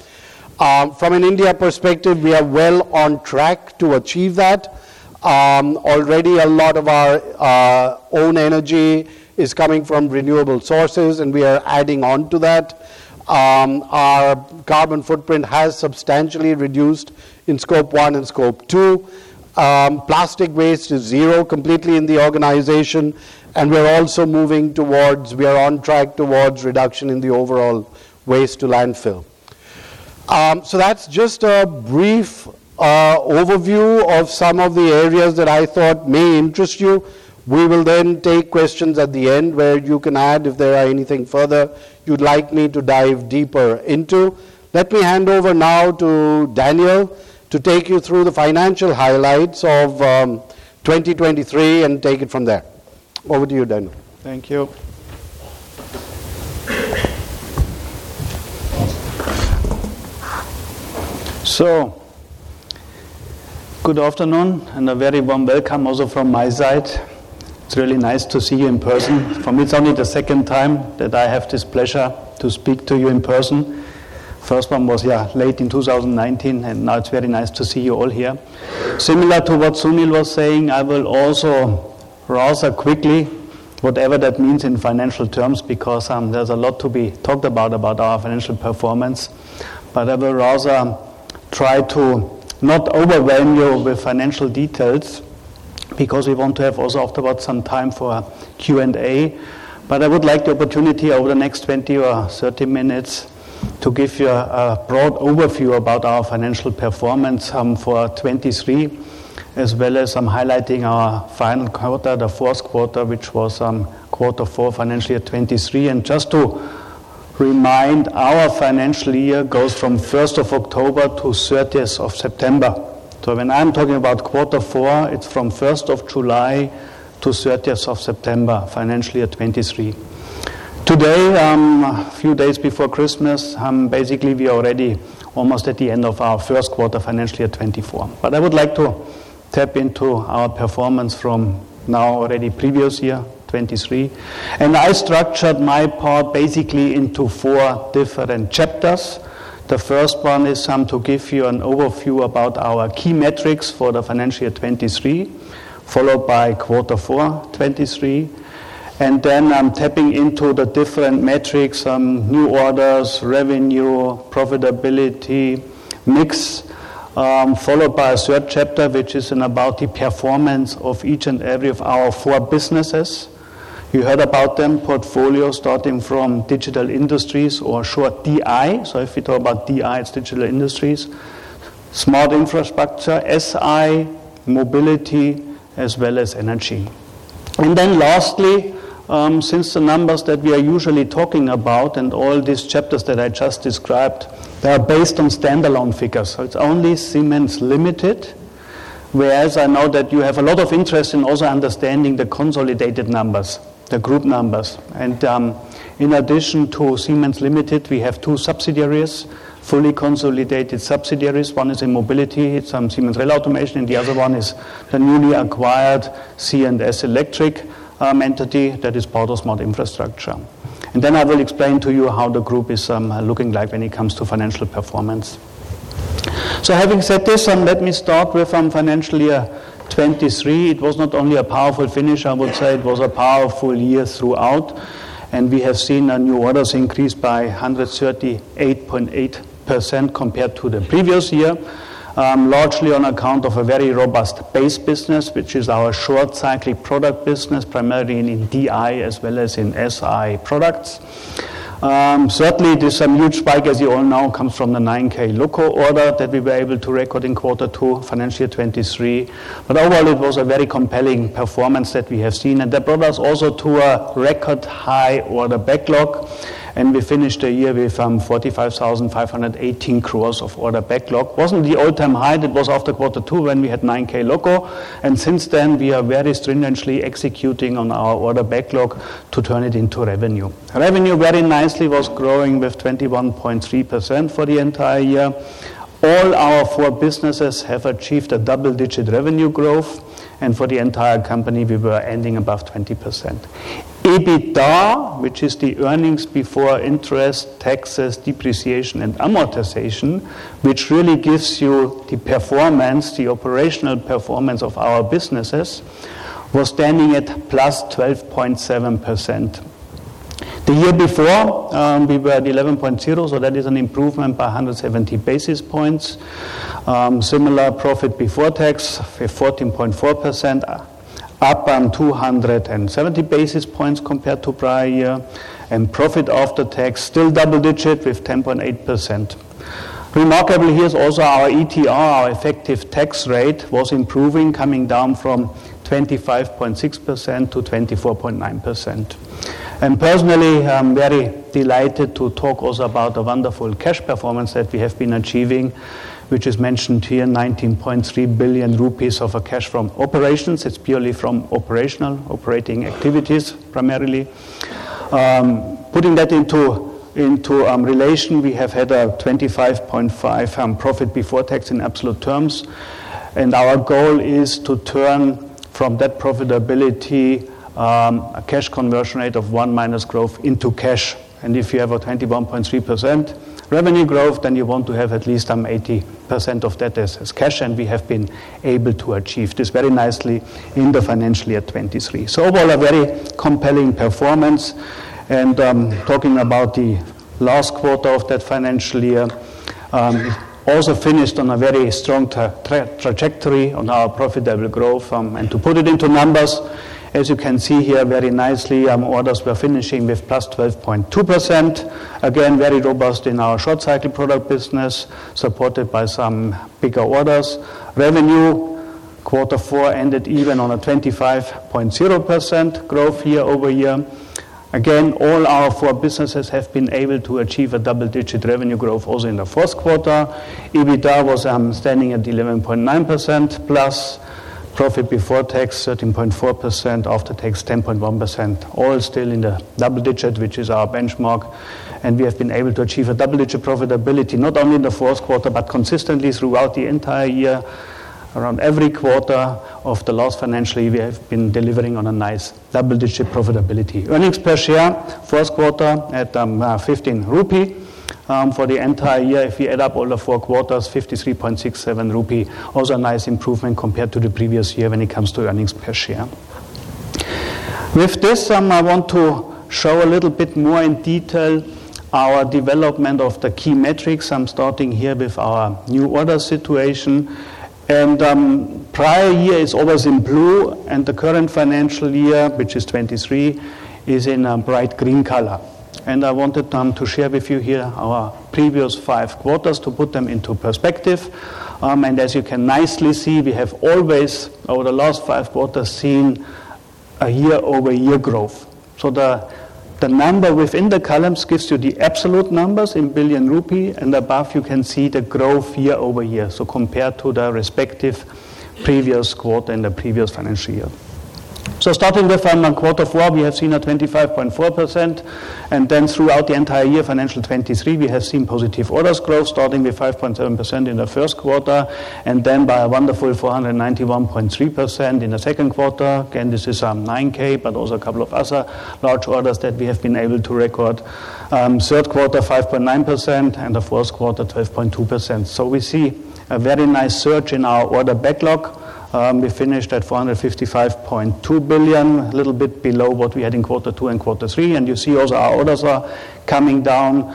From an India perspective, we are well on track to achieve that. Already, a lot of our own energy is coming from renewable sources, and we are adding on to that. Our carbon footprint has substantially reduced in scope one and scope two. Plastic waste is zero completely in the organization, and we are also moving towards, we are on track towards reduction in the overall waste to landfill. So, that's just a brief overview of some of the areas that I thought may interest you. We will then take questions at the end, where you can add if there are anything further you like me to dive deeper into. Let me hand over now to Daniel to take you through the financial highlights of 2023, and take it from there. Over to you, Daniel. Thank you. Good afternoon, and a very warm welcome also from my side. It's really nice to see you in person. For me, it's only the second time that I have this pleasure to speak to you in person. First one was, yeah, late in 2019, and now, it's very nice to see you all here. Similar to what Sunil was saying, I will also rather quickly, whatever that means in financial terms, because there is a lot to be talked about about our financial performance. But I will rather try to not overwhelm you with financial details, because we want to have also after what some time for Q and A. But I would like the opportunity over the next 20 or 30 minutes to give you a broad overview about our financial performance for '23, as well as highlighting our final quarter, the fourth quarter, which was quarter four financial year '23. And just to remind, our financial year goes from first of October to 30 of September. When I am talking about quarter four, it's from first of July to 30 of September financial year 23. Today, few days before Christmas, basically, we are already almost at the end of our first quarter financial year 24. But I would like to tap in to our performance from now, already previous year 23. And I structured my part basically in to four different chapters. The first one is to give you an overview about our key metrics for the financial year 23, followed by quarter four 23. And then, I am tapping in to the different metrics, new orders, revenue, profitability, mix, followed by a third chapter, which is in about the performance of each and every of our four business. You heard about them portfolio, starting from Digital Industries, or sure DI. So, if you talk about DI, it's Digital Industries, Smart Infrastructure, SI, Mobility, as well as Energy. And then, lastly, since the numbers that we are usually talking about, and all this chapters that I just described, they are based on stand alone figures. So, it's only Siemens Limited, whereas I know that you have a lot of interest in also understanding the consolidated numbers, the group numbers. And in addition to Siemens Limited, we have two subsidiaries, fully consolidated subsidiaries. One is in Mobility, it's Siemens Rail Automation, and the other one is the newly acquired C&S Electric entity, that is part of Smart Infrastructure. And then, I will explain to you how the group is looking like when it comes to financial performance. So, having said this, let me start with financial year 23. It was not only a powerful finish, I would say, it was a powerful year throughout. And we have seen new orders increase by 138.8% compared to the previous year, largely on account of a very robust base business, which is our short cyclic product business, primarily in DI, as well as in SI products. Certainly, this huge spike, as you all know, comes from the 9k loco order that we were able to record in quarter two of financial 23. But overall, it was a very company performance that we have seen, and that brought us also to a record high order backlog. And we finish the year with ₹45,518 crores of order backlog. That was the old time high, that was after quarter two when we had 9k loco. And since then, we are very strategically executing on our order backlog to turn it into revenue. Revenue very nicely was growing with 21.3% for the entire year. All our four businesses have achieved the double digit revenue growth, and for the entire company, we were ending about 20%. EBITDA, which is the earnings before interest, taxes, depreciation, and amortization, which really gives you the performance, the operational performance of our business, was standing at plus 12.7%. The year before, we were at 11.0%, so that is an improvement by 170 basis points. Similar profit before tax, 14.4% up on 270 basis points compared to prior year, and profit after tax, still double digit with 10.8%. Remarkable here is also our ETR, our effective tax rate, was improving, coming down from 25.6%-24.9%. And personally, I am very delighted to talk also about the wonderful cash performance that we have been achieving, which is mentioned here, ₹19.3 billion of cash from operations. It's purely from operational operating activities, primarily. Putting that into relation, we have had ₹25.5 profit before tax in absolute terms, and our goal is to turn from that profitability, cash conversion rate of one minus growth, into cash. If you have 21.3% revenue growth, then you want to have at least 80% of that as cash, and we have been able to achieve this very nicely in the financial year 2023. So, overall, a very strong company performance, and talking about the last quarter of that financial year, it also finished on a very strong trajectory on our profitable growth. And to put it into numbers, as you can see here, very nicely, orders were finishing with plus 12.2%. Again, very robust in our short cycle product business, supported by some bigger orders. Revenue quarter four ended it even on a 25.0% growth here over year. Again, all our four business have been able to achieve a double digit revenue growth, also in the fourth quarter. EBITA was standing at 11.9% plus profit before tax, 13.4% after tax, 10.1%. All still in the double digit, which is our benchmark, and we have been able to achieve a double digit profitability, not only in the fourth quarter, but consistently throughout the entire year. Around every quarter of the last financial year, we have been delivering on a nice double digit profitability. Earnings per share, fourth quarter at ₹15 for the entire year. If you add up all the four quarters, ₹53.67, also a nice improvement compared to the previous year when it comes to earnings per share. With this, I want to show a little bit more in detail our development of the key metrics. I am starting here with our new order situation, and prior year is always in blue, and the current financial year, which is 23, is in a bright green color. I wanted to share with you here our previous five quarters to put them into perspective. As you can nicely see, we have always over the last five quarters seen a year over year growth. So, the number within the columns gives you the absolute numbers in billion rupees, and about you can see the growth year over year. So, compared to the respective previous quarter in the previous financial year. So, starting with quarter four, we have seen a 25.4%, and then throughout the entire year financial 23, we have seen positive orders growth, starting with 5.7% in the first quarter, and then by a wonderful 491.3% in the second quarter. Again, this is 9K, but also a couple of other large orders that we have been able to record. Third quarter 5.9%, and the fourth quarter 12.2%. We see a very nice surge in our order backlog. We finished at ₹455.2 billion, little bit below what we had in quarter two and quarter three. And you see also our orders are coming down.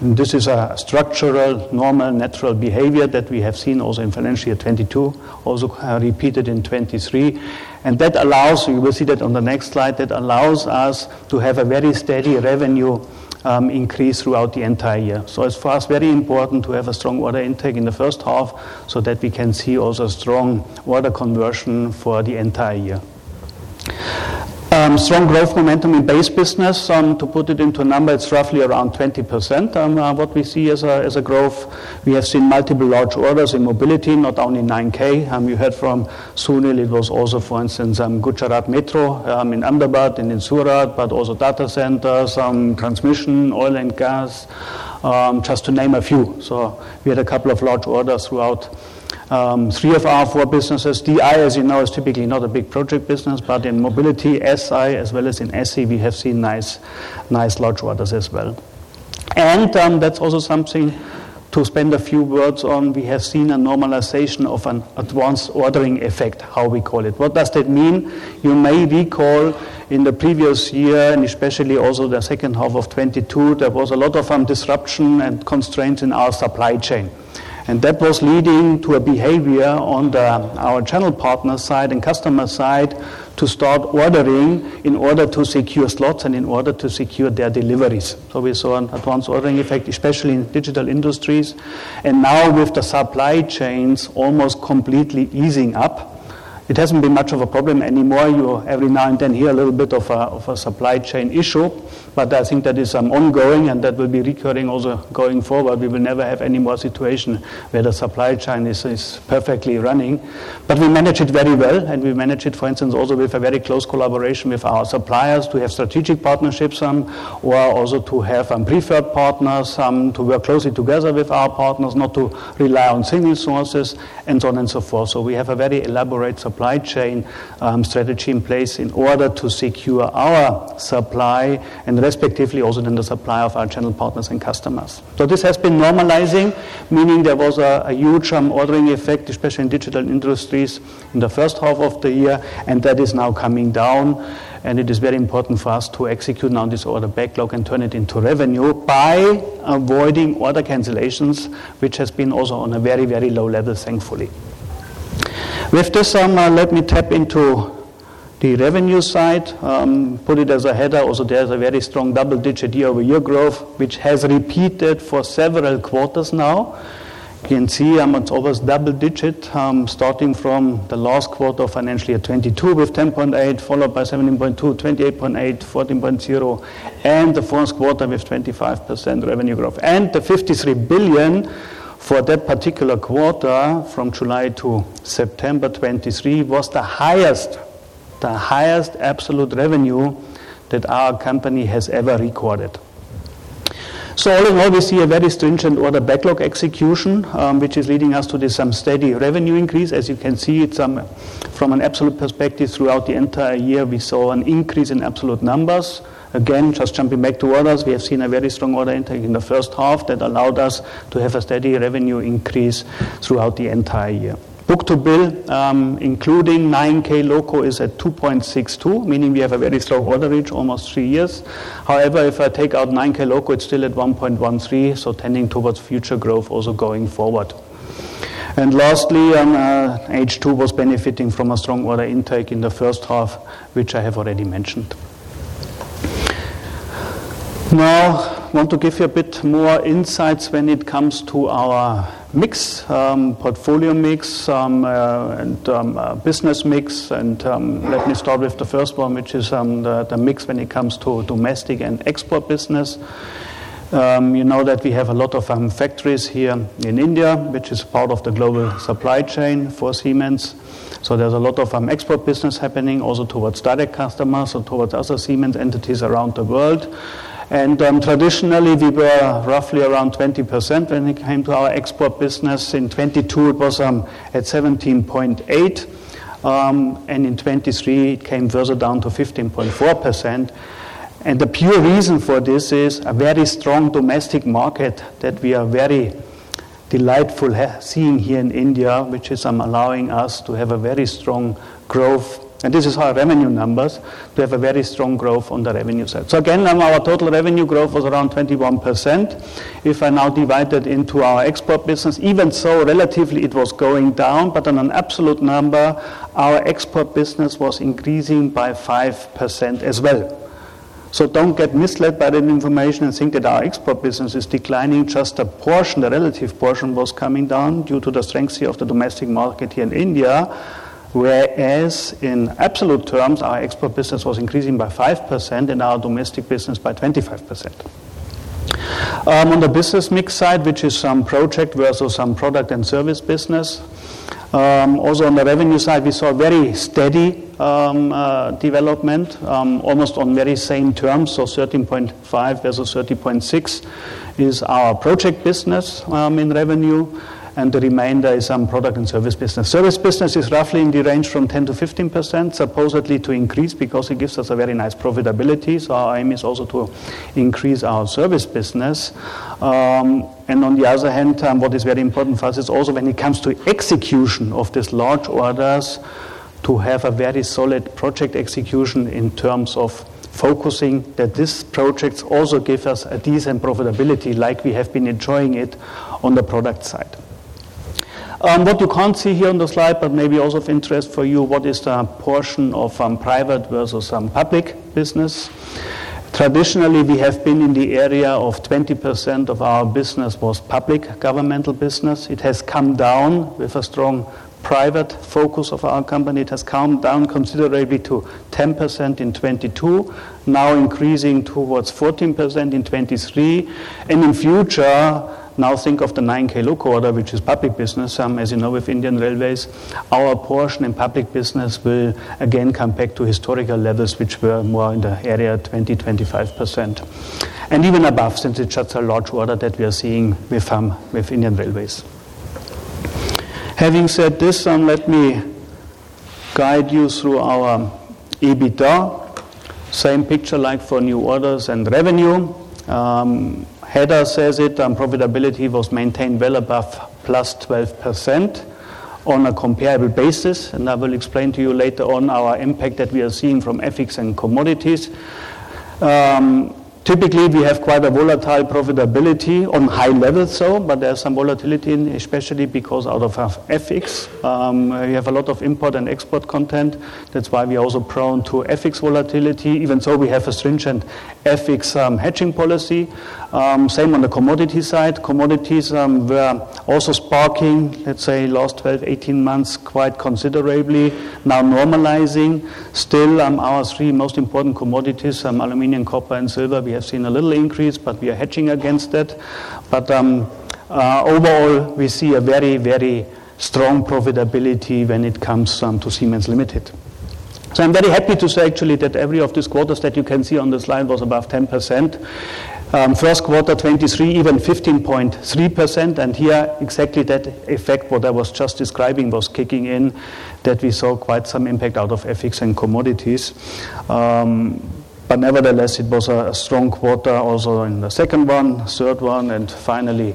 This is a structural normal natural behavior that we have seen also in financial 22, also repeated in 23. And that allows, you will see that on the next slide, that allows us to have a very steady revenue increase throughout the entire year. So, it's for us very important to have a strong order intake in the first half, so that we can see also a strong order conversion for the entire year. Strong growth momentum in base business, to put it into number, it's roughly around 20%. What we see is a growth, we have seen multiple large orders in mobility, not only 9K. You had from Sunil, it was also for instance Gujarat Metro in Ahmedabad and in Surat, but also data centers, transmission, oil and gas, just to name a few. So, we had a couple of large orders throughout three of our four business. DI, as you know, is typically not a big project business, but in mobility, SI as well as in SI, we have seen nice nice large orders as well. And that's also something to spend a few words on. We have seen a normalization of an advance ordering effect, how we call it. What does that mean? You may be call in the previous year, and especially also the second half of 22, there was a lot of disruption and constraints in our supply chain. And that was leading to a behavior on the our channel partner side and customer side to start ordering in order to secure slots and in order to secure their deliveries. So, we saw advance ordering effect, especially in digital industries. And now, with the supply chains almost completely easing up, it has been much of a problem anymore. You every now and then hear little bit of a supply chain issue, but I think that is ongoing, and that will be recurring also going forward. We will never have any more situation where the supply chain is perfectly running. But we manage it very well, and we manage it for instance also with a very close collaboration with our suppliers to have strategic partnerships, or also to have preferred partners to work closely together with our partners, not to rely on single sources, and so on and so forth. So, we have a very elaborate supply chain strategy in place in order to secure our supply, and respectively also then the supply of our channel partners and customers. So, this has been normalizing, meaning there was a huge ordering effect, especially in digital industries in the first half of the year, and that is now coming down. And it is very important for us to execute now this order backlog and turn it into revenue by avoiding order cancellations, which has been also on a very very low level, thankfully. With this, let me tap into the revenue side, put it as a head. Also, there is a very strong double digit year over year growth, which has repeated for several quarters. Now, you can see, it's almost double digit, starting from the last quarter of financial year 22, with 10.8%, followed by 17.2%, 28.8%, 14.0%, and the fourth quarter with 25% revenue growth. And the ₹53 billion for that particular quarter from July to September 2023, was the highest, the highest absolute revenue that our company has ever recorded. So, all in all, we see a very stringent order backlog execution, which is leading us to the same steady revenue increase. As you can see, it's from an absolute perspective, throughout the entire year, we saw an increase in absolute numbers. Again, just jumping back to orders, we have seen a very strong order intake in the first half, that allowed us to have a steady revenue increase throughout the entire year. Book to bill, including 9K loco, is at 2.62, meaning we have a very slow order reach, almost three years. However, if I take out 9K loco, it's still at 1.13, so tending towards future growth, also going forward. And lastly, H2 was benefiting from a strong order intake in the first half, which I have already mentioned. Now, want to give you a bit more insights when it comes to our mix, portfolio mix, and business mix. And let me start with the first one, which is the mix when it comes to domestic and export business. You know that we have a lot of factories here in India, which is part of the global supply chain for Siemens. So, there is a lot of export business happening, also towards direct customers, towards other Siemens entities around the world. And traditionally, we were roughly around 20% when it came to our export business. In '22, it was at 17.8%, and in '23, it came further down to 15.4%. And the pure reason for this is a very strong domestic market, that we are very delightful seeing here in India, which is I am allowing us to have a very strong growth. And this is our revenue numbers, to have a very strong growth on the revenue side. So, again, our total revenue growth was around 21%. If I now divided into our export business, even so, relatively, it was going down, but on an absolute number, our export business was increasing by 5% as well. So, don't get misled by that information, and think that our export business is declining, just the portion, the relative portion was coming down, due to the strength of the domestic market here in India. Whereas, in absolute terms, our export business was increasing by 5%, and our domestic business by 25%. On the business mix side, which is some project versus some product and services business. Also, on the revenue side, we saw very steady development, almost on very same terms. 13.5% versus 13.6% is our project business in revenue, and the remainder is some product and services business. Services business is roughly in the range from 10% to 15%, supposedly to increase, because it gives us a very nice profitability. Our aim is also to increase our services business. And on the other hand, what is very important for us, it's also when it comes to execution of this large orders, to have a very solid project execution in terms of focusing. That this projects also give us a decent profitability, like we have been enjoying it on the product side. What you can't see here on the slide, but may be also of interest for you, what is the portion of private versus public business. Traditionally, we have been in the area of 20% of our business was public governmental business. It has come down with a strong private focus of our company. It has come down considerably to 10% in 2022, now increasing towards 14% in 2023. In future, now think of the 9K loco order, which is public business. As you know, with Indian Railways, our portion in public business will again come back to historical levels, which were more in the area 20%-25%. Even above, since it shuts a large order that we are seeing with Indian Railways. Having said this, let me guide you through our EBITDA. Same picture like for new orders and revenue. As said, profitability was maintained well about plus 12% on a comparable basis. And I will explain to you later on our impact that we are seeing from FX and commodities. Typically, we have quite a volatile profitability on high levels, so but there is some volatility, especially because out of FX. We have a lot of import and export content, that's why we are also prone to FX volatility. Even so, we have a stringent FX hedging policy. Same on the commodity side, commodities were also sparking, let's say last 12-18 months, quite considerably. Now, normalizing still, our three most important commodities, aluminum, copper and silver, we have seen a little increase, but we are hedging against that. But overall, we see a very very strong profitability when it comes to Siemens Limited. I am very happy to say, actually, that every of this quarters that you can see on the slide was about 10%. First quarter 23, even 15.3%. And here, exactly that effect, what I was just describing, was kicking in, that we saw quite some impact out of FX and commodities. But nevertheless, it was a strong quarter, also in the second one, third one, and finally,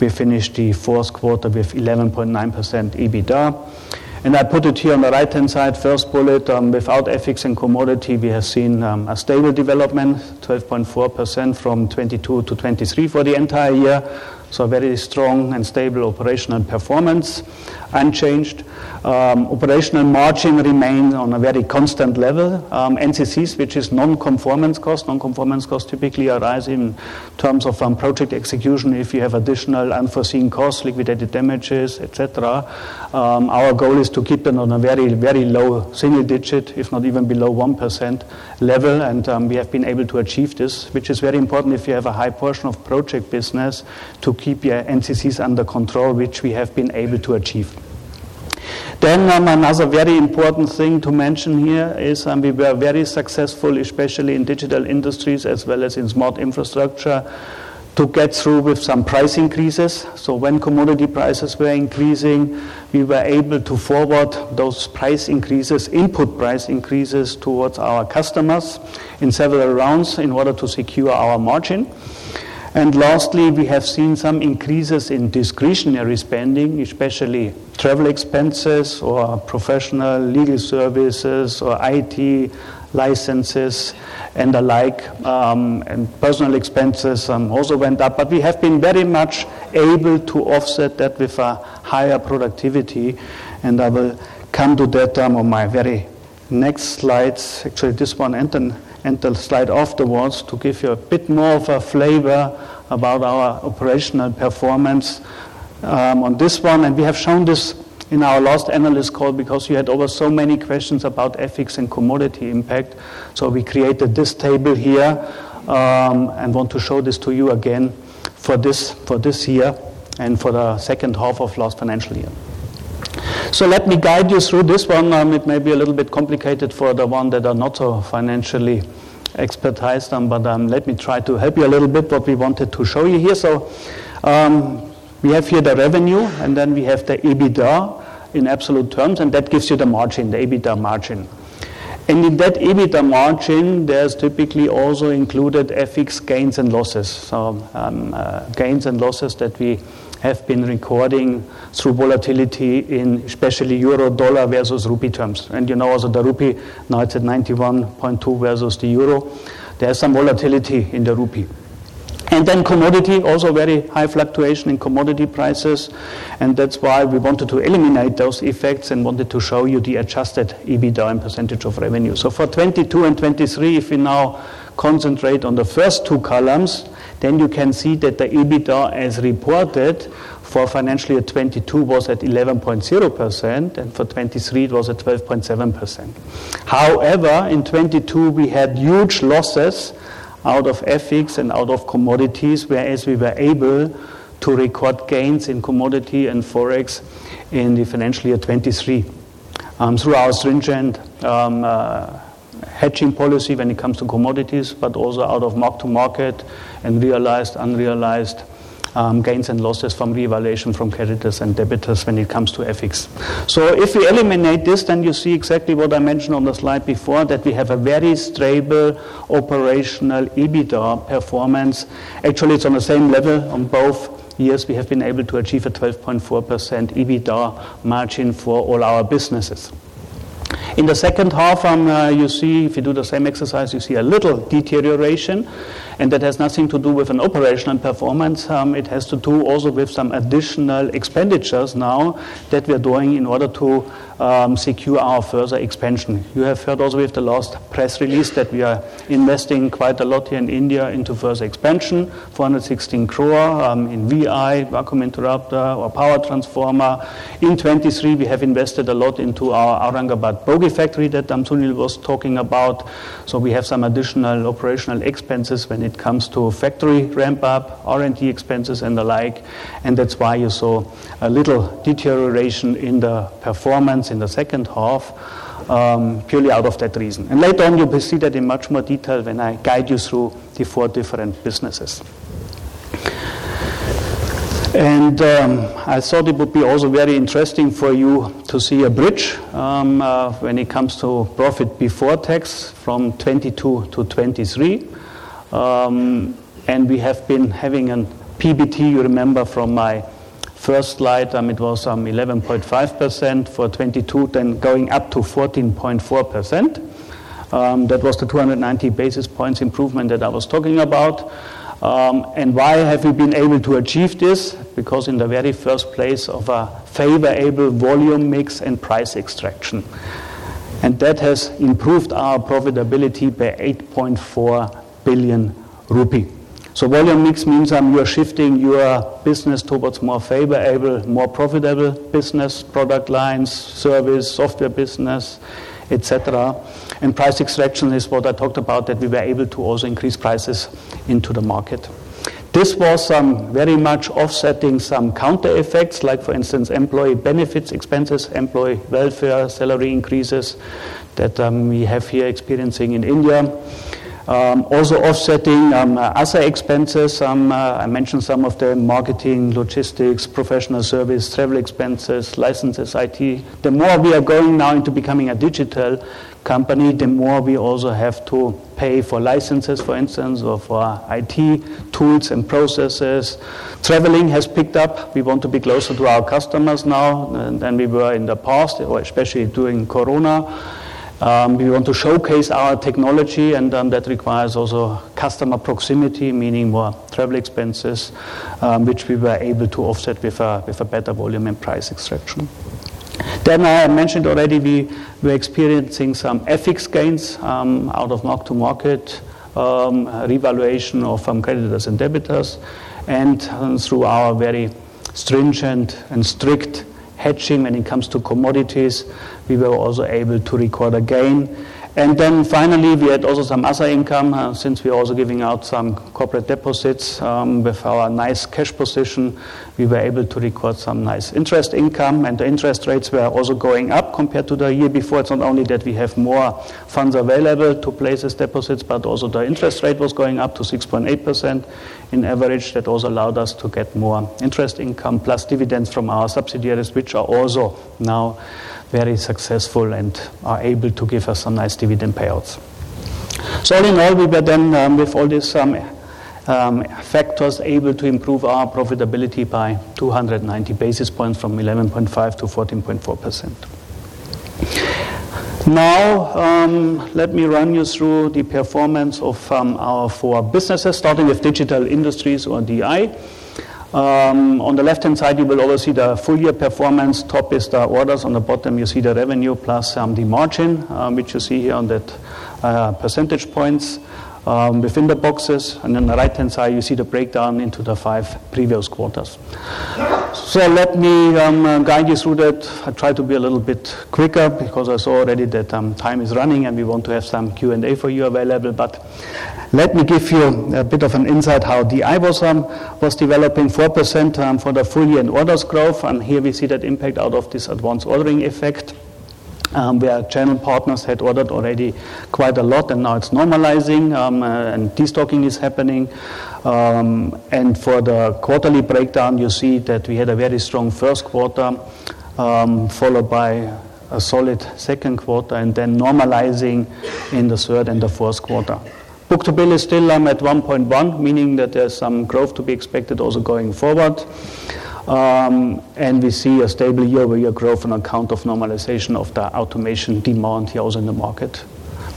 we finish the fourth quarter with 11.9%. And I put it here on the right hand side, first bullet, without FX and commodity, we have seen a stable development, 12.4% from 2022-2023 for the entire year. Very strong and stable operational performance, unchanged operational margin, remain on a very constant level. NCC, which is non-conformance cost, non-conformance cost, typically arise in terms of project execution, if you have additional unforeseen cost, liquidated damages, etcetera. Our goal is to keep them on a very very low single digit, if not even below 1% level. And we have been able to achieve this, which is very important, if you have a high portion of project business, to keep your NCCs under control, which we have been able to achieve. Then, another very important thing to mention here is, we were very successful, especially in digital industries, as well as in smart infrastructure, to get through with some price increases. When commodity prices were increasing, we were able to forward those price increases, input price increases, towards our customers in several rounds, in order to secure our margin. And lastly, we have seen some increases in discretionary spending, especially travel expenses, or professional legal services, or IT licenses, and the like, and personal expenses also went up. But we have been very much able to offset that with a higher productivity. And I will come to that on my very next slides, actually this one, and then slide after once, to give you a bit more of a flavor about our operational performance on this one. We have shown this in our last analyst call, because you had over so many questions about FX and commodity impact. So, we created this table here, and want to show this to you again for this, for this year, and for the second half of last financial year. Let me guide you through this one. It may be a little bit complicated for the one that are not so financially expertised. But let me try to help you a little bit, what we wanted to show you here. We have here the revenue, and then we have the EBITDA in absolute terms, and that gives you the margin, the EBITDA margin. And in that EBITDA margin, there is typically also included FX gains and losses. Gains and losses that we have been recording through volatility, especially Euro Dollar versus Rupee terms. And you know, also the Rupee, now it's at 91.2 versus the Euro. There is some volatility in the Rupee, and then commodity, also very high fluctuation in commodity prices. And that's why we wanted to eliminate those effects, and wanted to show you the adjusted EBITDA in percentage of revenue. So, for 22 and 23, if you now concentrate on the first two columns, then you can see that the EBITDA, as reported for financial year 22, was at 11.0%, and for 23, it was at 12.7%. However, in 22, we had huge losses out of FX and out of commodities, whereas, we were able to record gains in commodity and forex in the financial year 23, through our stringent hedging policy, when it comes to commodities, but also out of mark to market, and realized unrealized gains and losses from revaluation from creditors and debtors, when it comes to FX. If you eliminate this, then you see exactly what I mentioned on the slide before, that we have a very stable operational EBITDA performance. Actually, it's on the same level on both years, we have been able to achieve a 12.4% EBITDA margin for all our business. In the second half, you see, if you do the same exercise, you see a little deterioration, and that has nothing to do with our operational performance. It has to do also with some additional expenditures, now that we are doing in order to secure our further expansion. You have heard also with the last press release, that we are investing quite a lot here in India, into further expansion, ₹416 crore in VI vacuum interrupter, or power transformer. In 2023, we have invested a lot into our Aurangabad bogie factory, that Sunil was talking about. We have some additional operational expenditures, when it comes to factory ramp up, R&D expenditures, and the like. And that's why you see little deterioration in the performance in the second half, purely out of that reason. And later on, you will see that in much more detail, when I guide you through the four different businesses. And I saw it would be also very interesting for you to see a bridge, when it comes to profit before tax, from 2022-2023. And we have been having on PBT, you remember from my first slide, it was 11.5% for 22, then going up to 14.4%. That was the 290 basis points improvement, that I was talking about. And why have we been able to achieve this, because in the very first place of favorable volume mix and price extraction, and that has improved our profitability by ₹8.4 billion. So, volume mix means, you are shifting your business towards more favorable, more profitable business, product lines, service, software business, etcetera. And price extraction is what I talked about, that we were able to also increase prices in to the market. This was very much of setting some counter effects, like for instance, employee benefits, expenses, employee welfare, salary increases, that we have here experiencing in India. Also of setting other expenses, I mention some of the marketing, logistics, professional service, travel expenses, licenses, IT. Then more, we are going now in to becoming a digital company, then more, we also have to pay for licenses, for instance, or for IT tools and process. Traveling has picked up. We want to be closer to our customers now than we were in the past, especially during Corona. We want to showcase our technology, and that requires also customer proximity, meaning more travel expenses, which we were able to offset with a better volume and price extraction. Then I mentioned already, we were experiencing some FX gains out of mark-to-market revaluation of creditors and debtors, and through our very stringent and strict hedging when it comes to commodities, we were also able to record a gain. And then finally, we have also some other income. Since we are also giving out some corporate deposits with our nice cash position, we were able to record some nice interest income, and the interest rates were also going up compared to the year before. It's not only that we have more funds available to place as deposits, but also the interest rate was going up to 6.8% on average, that also allowed us to get more interest income, plus dividends from our subsidiaries, which are also now very successful, and are able to give us some nice dividend payouts. So, all in all, we were then with all these factors, able to improve our profitability by 290 basis points, from 11.5%-14.4%. Now, let me run you through the performance of our four businesses, starting with Digital Industries, or DI. On the left hand side, you will also see the full year performance, top is the orders, on the bottom you see the revenue, plus the margin, which you see here on that percentage points, within the boxes. And then the right hand side, you see the break down into the five previous quarters. So, let me guide you through that. I try to be a little bit quicker, because I saw already that time is running, and we want to have some Q and A for you available. But let me give you a bit of an insight, how DI was developing 4% for the full year orders growth. And here we see that impact out of this advance ordering effect. Where channel partners had ordered already quite a lot, and now it's normalizing, and destocking is happening. And for the quarterly break down, you see that we had a very strong first quarter, followed by a solid second quarter, and then normalizing in the third and the fourth quarter. Book to bill is still at 1.1, meaning that there is some growth to be expected also going forward. And we see a stable year over year growth, on account of normalization of the automation demand here also in the market.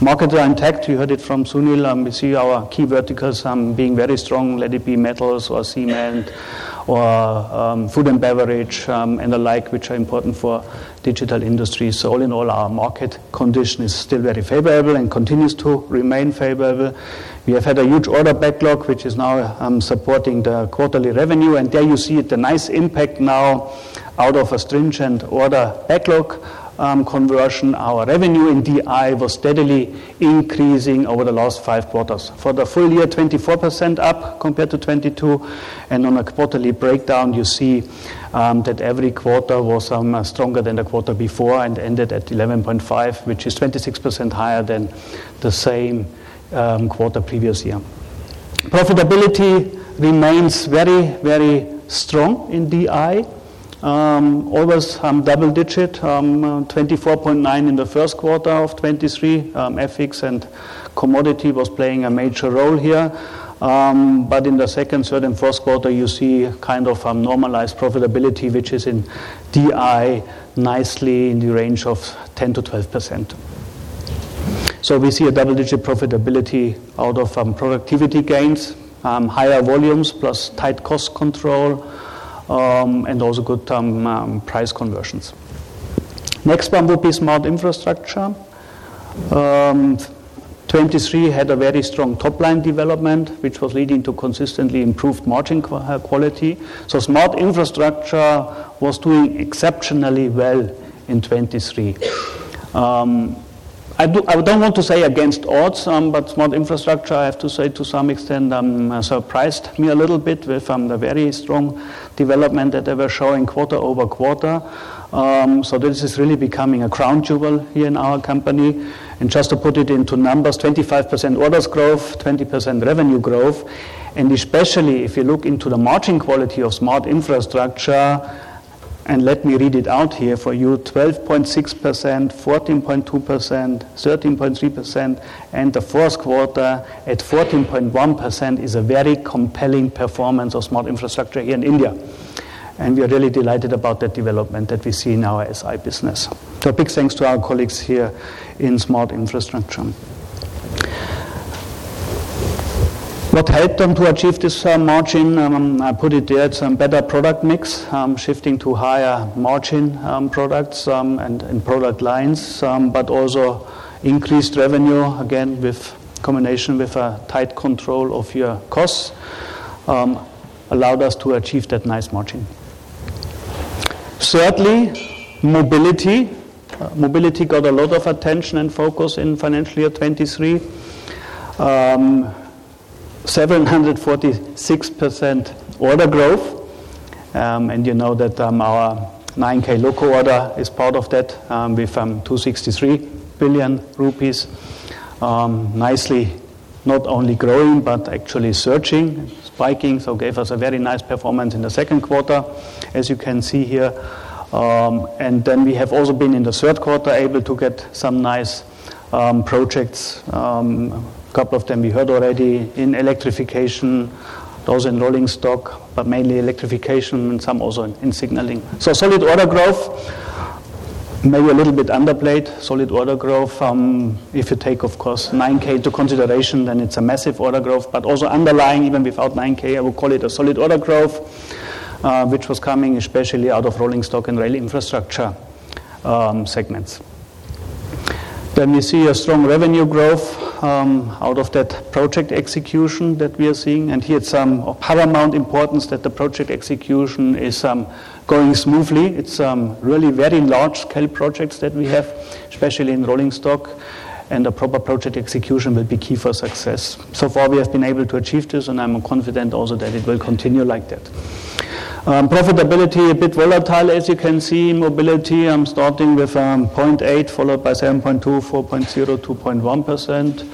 Markets are in talk, you heard it from Sunil. We see our key verticals being very strong, let it be metals, or cement, or food and beverage, and the like, which are important for digital industries. So, all in all, our market condition is still very favorable, and continues to remain favorable. We have had a huge order backlog, which is now supporting the quarterly revenue. And there you see the nice impact now, out of stringent order backlog conversion. Our revenue in DI was steadily increasing over the last five quarters. For the full year, 24% up compared to 2022. And on a quarterly breakdown, you see that every quarter was stronger than the quarter before, and ended at 11.5, which is 26% higher than the same quarter previous year. Profitability remains very very strong in DI, always double digit, 24.9 in the first quarter of 2023. FX and commodity was playing a major role here, but in the second, third and fourth quarter, you see kind of normalized profitability, which is in DI nicely in the range of 10%-12%. So, we see a double digit profitability out of productivity gains, higher volumes, plus tight cost control, and also good price conversions. Next one would be Smart Infrastructure. 2023 had a very strong top line development, which was leading to consistently improved margin quality. So, Smart Infrastructure was doing exceptionally well in 2023. I don't want to say against odds, but Smart Infrastructure, I have to say to some extent, surprised me a little bit with the very strong development that they were showing quarter over quarter. So, this is really becoming a crown jewel here in our company. Just to put it into numbers, 25% orders growth, 20% revenue growth, and especially if you look into the margin quality of Smart Infrastructure. Let me read it out here for you: 12.6%, 14.2%, 13.3%, and the fourth quarter at 14.1% is a very strong performance of Smart Infrastructure here in India. We are really delighted about that development that we see in our SI business. So, big thanks to our colleagues here in Smart Infrastructure. What helped them to achieve this margin? I put it there: better product mix, shifting to higher margin products and product lines, but also increased revenue again with combination with tight control of your cost, allowed us to achieve that nice margin. Surely, mobility, mobility got a lot of attention and focus in financial year 23: 746% order growth. And you know that our 9k loco order is part of that, with 263 billion rupees. Nicely, not only growing, but actually surging, spiking. So, gave us a very nice performance in the second quarter, yes you can see here. And then, we have also been in the third quarter, able to get some nice projects. Couple of them, we heard already in electrification, those in rolling stock, but mainly electrification, and some also in signaling. So, solid order growth, may be a little bit underplayed. Solid order growth, if you take of course 9K to consideration, then it's a massive order growth. But also underline, even without 9K, I would call it a solid order growth, which was coming, especially out of rolling stock and rail infrastructure segments. Then, we see a strong revenue growth out of that project execution, that we are seeing. And here, it's of paramount importance, that the project execution is going smoothly. It's really very large scale projects, that we have, especially in rolling stock. And the proper project execution will be key for success. So, far, we have been able to achieve this, and I am confident also that it will continue like that. Profitability, a bit volatile, yes you can see. Mobility, I am starting with 0.8%, followed by 7.2%, 4.0%, 2.1%.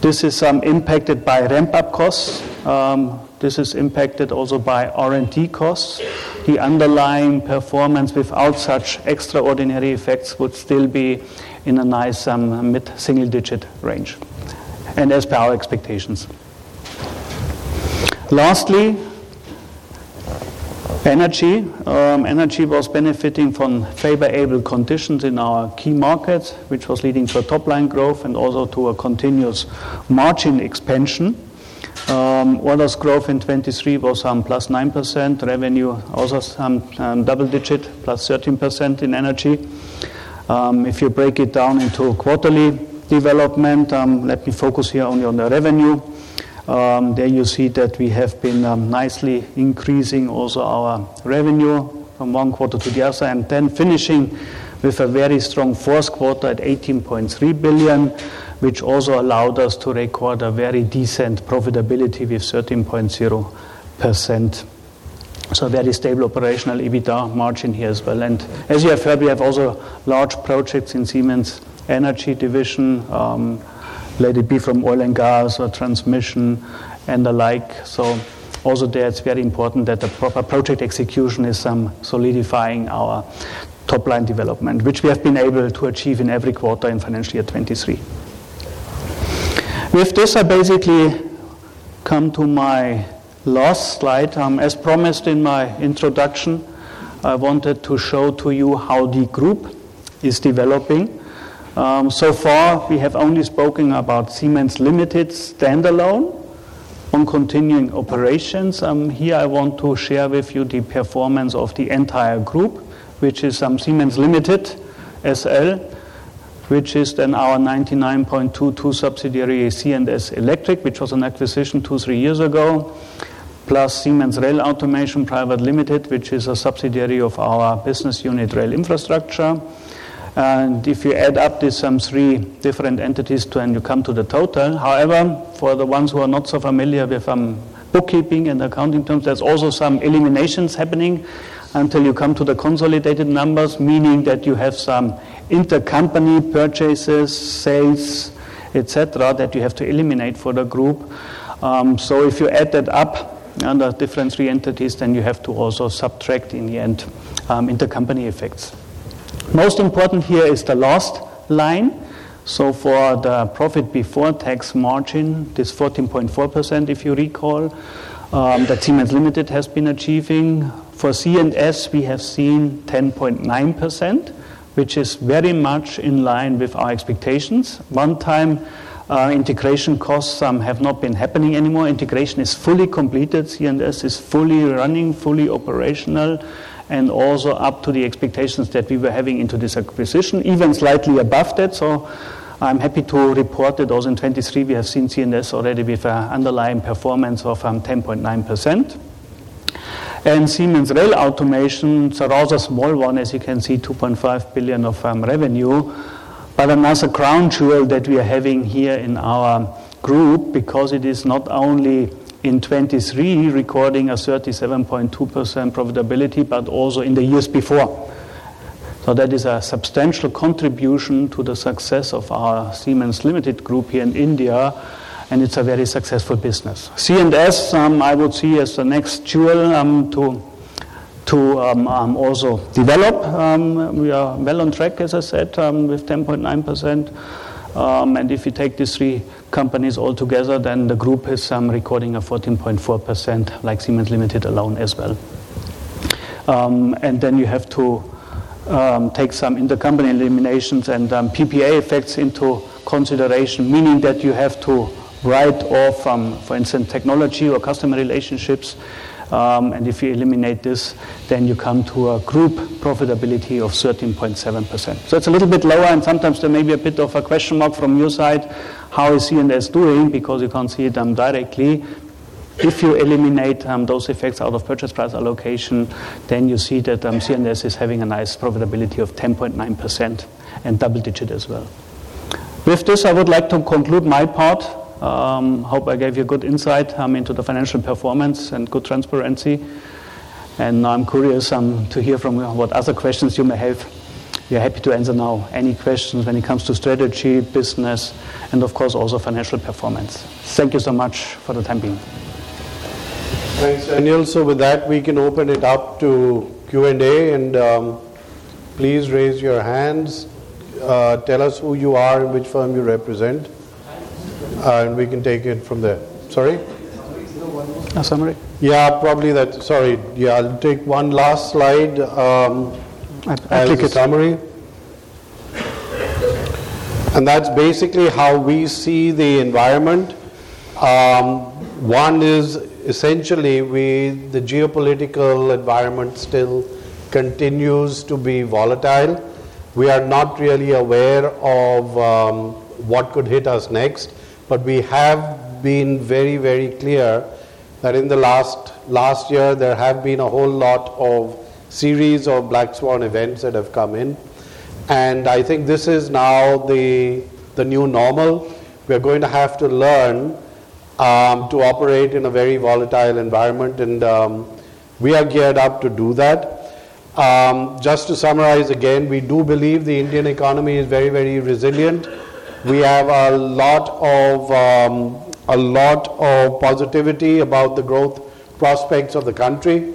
This is impacted by ramp up cost. This is impacted also by R&D cost. The underlying performance, without such extraordinary effects, would still be in a nice mid single digit range, and as per our expectations. Lastly, Energy, Energy was benefiting from favorable conditions in our key market, which was leading for top line growth, and also to a continuous margin expansion. Orders growth in '23 was some plus 9% revenue, also some double digit plus 13% in Energy. If you break it down into quarterly development, let me focus here only on the revenue. There you see that we have been nicely increasing also our revenue from one quarter to the other, and then finishing with a very strong fourth quarter at $18.3 billion, which also allowed us to record a very decent profitability with 13.0%. So, very stable operational EBITDA margin here as well. And yes, you have heard, we have also large projects in Siemens Energy Division, let it be from oil and gas, or transmission and the like. So, also there, it's very important that the proper project execution is some solidifying our top line development, which we have been able to achieve in every quarter in financial year 23. With this, I basically come to my last slide. I am yes promised in my introduction. I wanted to show to you how the group is developing. So, far, we have only spoken about Siemens Limited stand alone and continuing operations. Here, I want to share with you the performance of the entire group, which is Siemens Limited SL, which is then our 99.2% subsidiary, C and S Electric, which was an acquisition two three years ago, plus Siemens Rail Automation Private Limited, which is a subsidiary of our business unit Rail Infrastructure. And if you add up this sum three different entities to and you come to the total, however, for the ones who are not so familiar with bookkeeping and accounting terms, there is also some eliminations happening until you come to the consolidated numbers, meaning that you have some inter-company purchases, sales, etcetera, that you have to eliminate for the group. So, if you add that up under different three entities, then you have to also subtract in the end inter-company effects. Most important here is the last line. So, for the profit before tax margin, this 14.4%, if you recall, that Siemens Limited has been achieving for C&S. We have seen 10.9%, which is very much in line with our expectations. One time integration cost have not been happening anymore. Integration is fully completed. C&S is fully running, fully operational, and also up to the expectations that we were having into this acquisition, even slightly about that. So, I am happy to report that also in 2023, we have seen C&S already with underlying performance of 10.9%. And Siemens Rail Automation, it's a rather small one, yes you can see ₹2.5 billion of revenue, but another crown jewel that we are having here in our group, because it is not only in 23 recording a 37.2% profitability, but also in the years before. So, that is a substantial contribution to the success of our Siemens Limited Group here in India, and it's a very successful business. C&S, I would see as the next jewel to also develop. We are well on track, yes I said, with 10.9%. And if you take this three companies all together, then the group is some recording a 14.4% like Siemens Limited alone as well. And then you have to take some inter company eliminations and PF effects into consideration, meaning that you have to write off for intangible technology or customer relationships. And if you eliminate this, then you come to a group profitability of 13.7%. So, it's a little bit lower, and sometimes there may be a bit of a question mark from your side, how is C&S doing, because you can't see it directly. If you eliminate those effects out of purchase price allocation, then you see that C&S is having a nice profitability of 10.9% and double digit as well. With this, I would like to conclude my part. Hope I gave you good insight into the financial performance and good transparency. I am curious to hear from you what other questions you may have. We are happy to answer now, any questions when it comes to strategy, business, and of course also financial performance. Thank you so much for the time being. Thanks, and so with that, we can open it up to Q&A, and please raise your hands. Tell us who you are, and which firm you represent, and we can take it from there. Sorry, summary, summary, yeah probably that. Sorry, Yeah I will take one last slide. It's summary, and that's basically how we see the environment. One is essentially, we the geopolitical environment still continues to be volatile. We are not really aware of what could hit us next, but we have been very very clear that in the last last year, there have been a whole lot of series of black swan events that have come in. And I think this is now the new normal. We are going to have to learn to operate in a very volatile environment, and we are geared up to do that. Just to summarize again, we do believe the Indian economy is very very resilient. We have a lot of, a lot of positivity about the growth prospects of the country,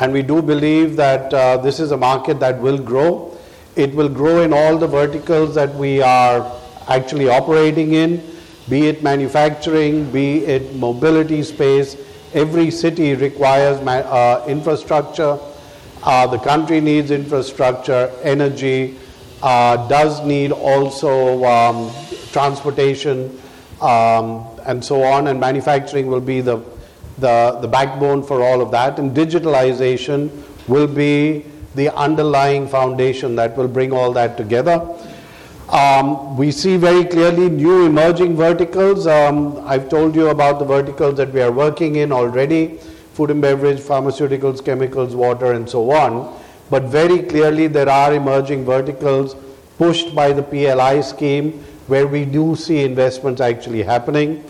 and we do believe that this is a market that will grow. It will grow in all the verticals that we are actually operating in, be it manufacturing, be it mobility space. Every city requires infrastructure. The country needs infrastructure, energy, does need also transportation, and so on. And manufacturing will be the backbone for all of that, and digitalization will be the underlying foundation that will bring all that together. We see very clearly new emerging verticals. I have told you about the verticals that we are working in already: food and beverage, pharmaceuticals, chemicals, water, and so on. But very clearly, there are emerging verticals pushed by the PLI scheme, where we do see investments actually happening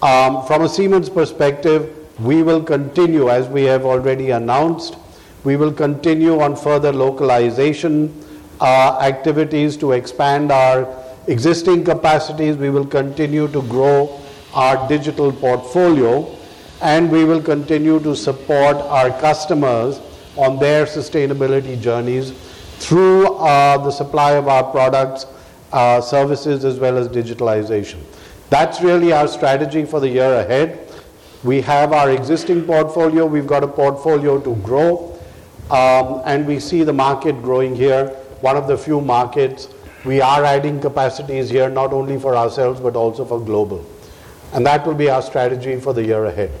from a Siemens perspective. We will continue, yes we have already announced, we will continue on further localization activities to expand our existing capacities. We will continue to grow our digital portfolio, and we will continue to support our customers on their sustainability journeys through the supply of our products, services, as well as digitalization. That's really our strategy for the year ahead. We have our existing portfolio, we got a portfolio to grow, and we see the market growing here. One of the few markets, we are adding capacities here, not only for ourselves, but also for global, and that will be our strategy for the year ahead.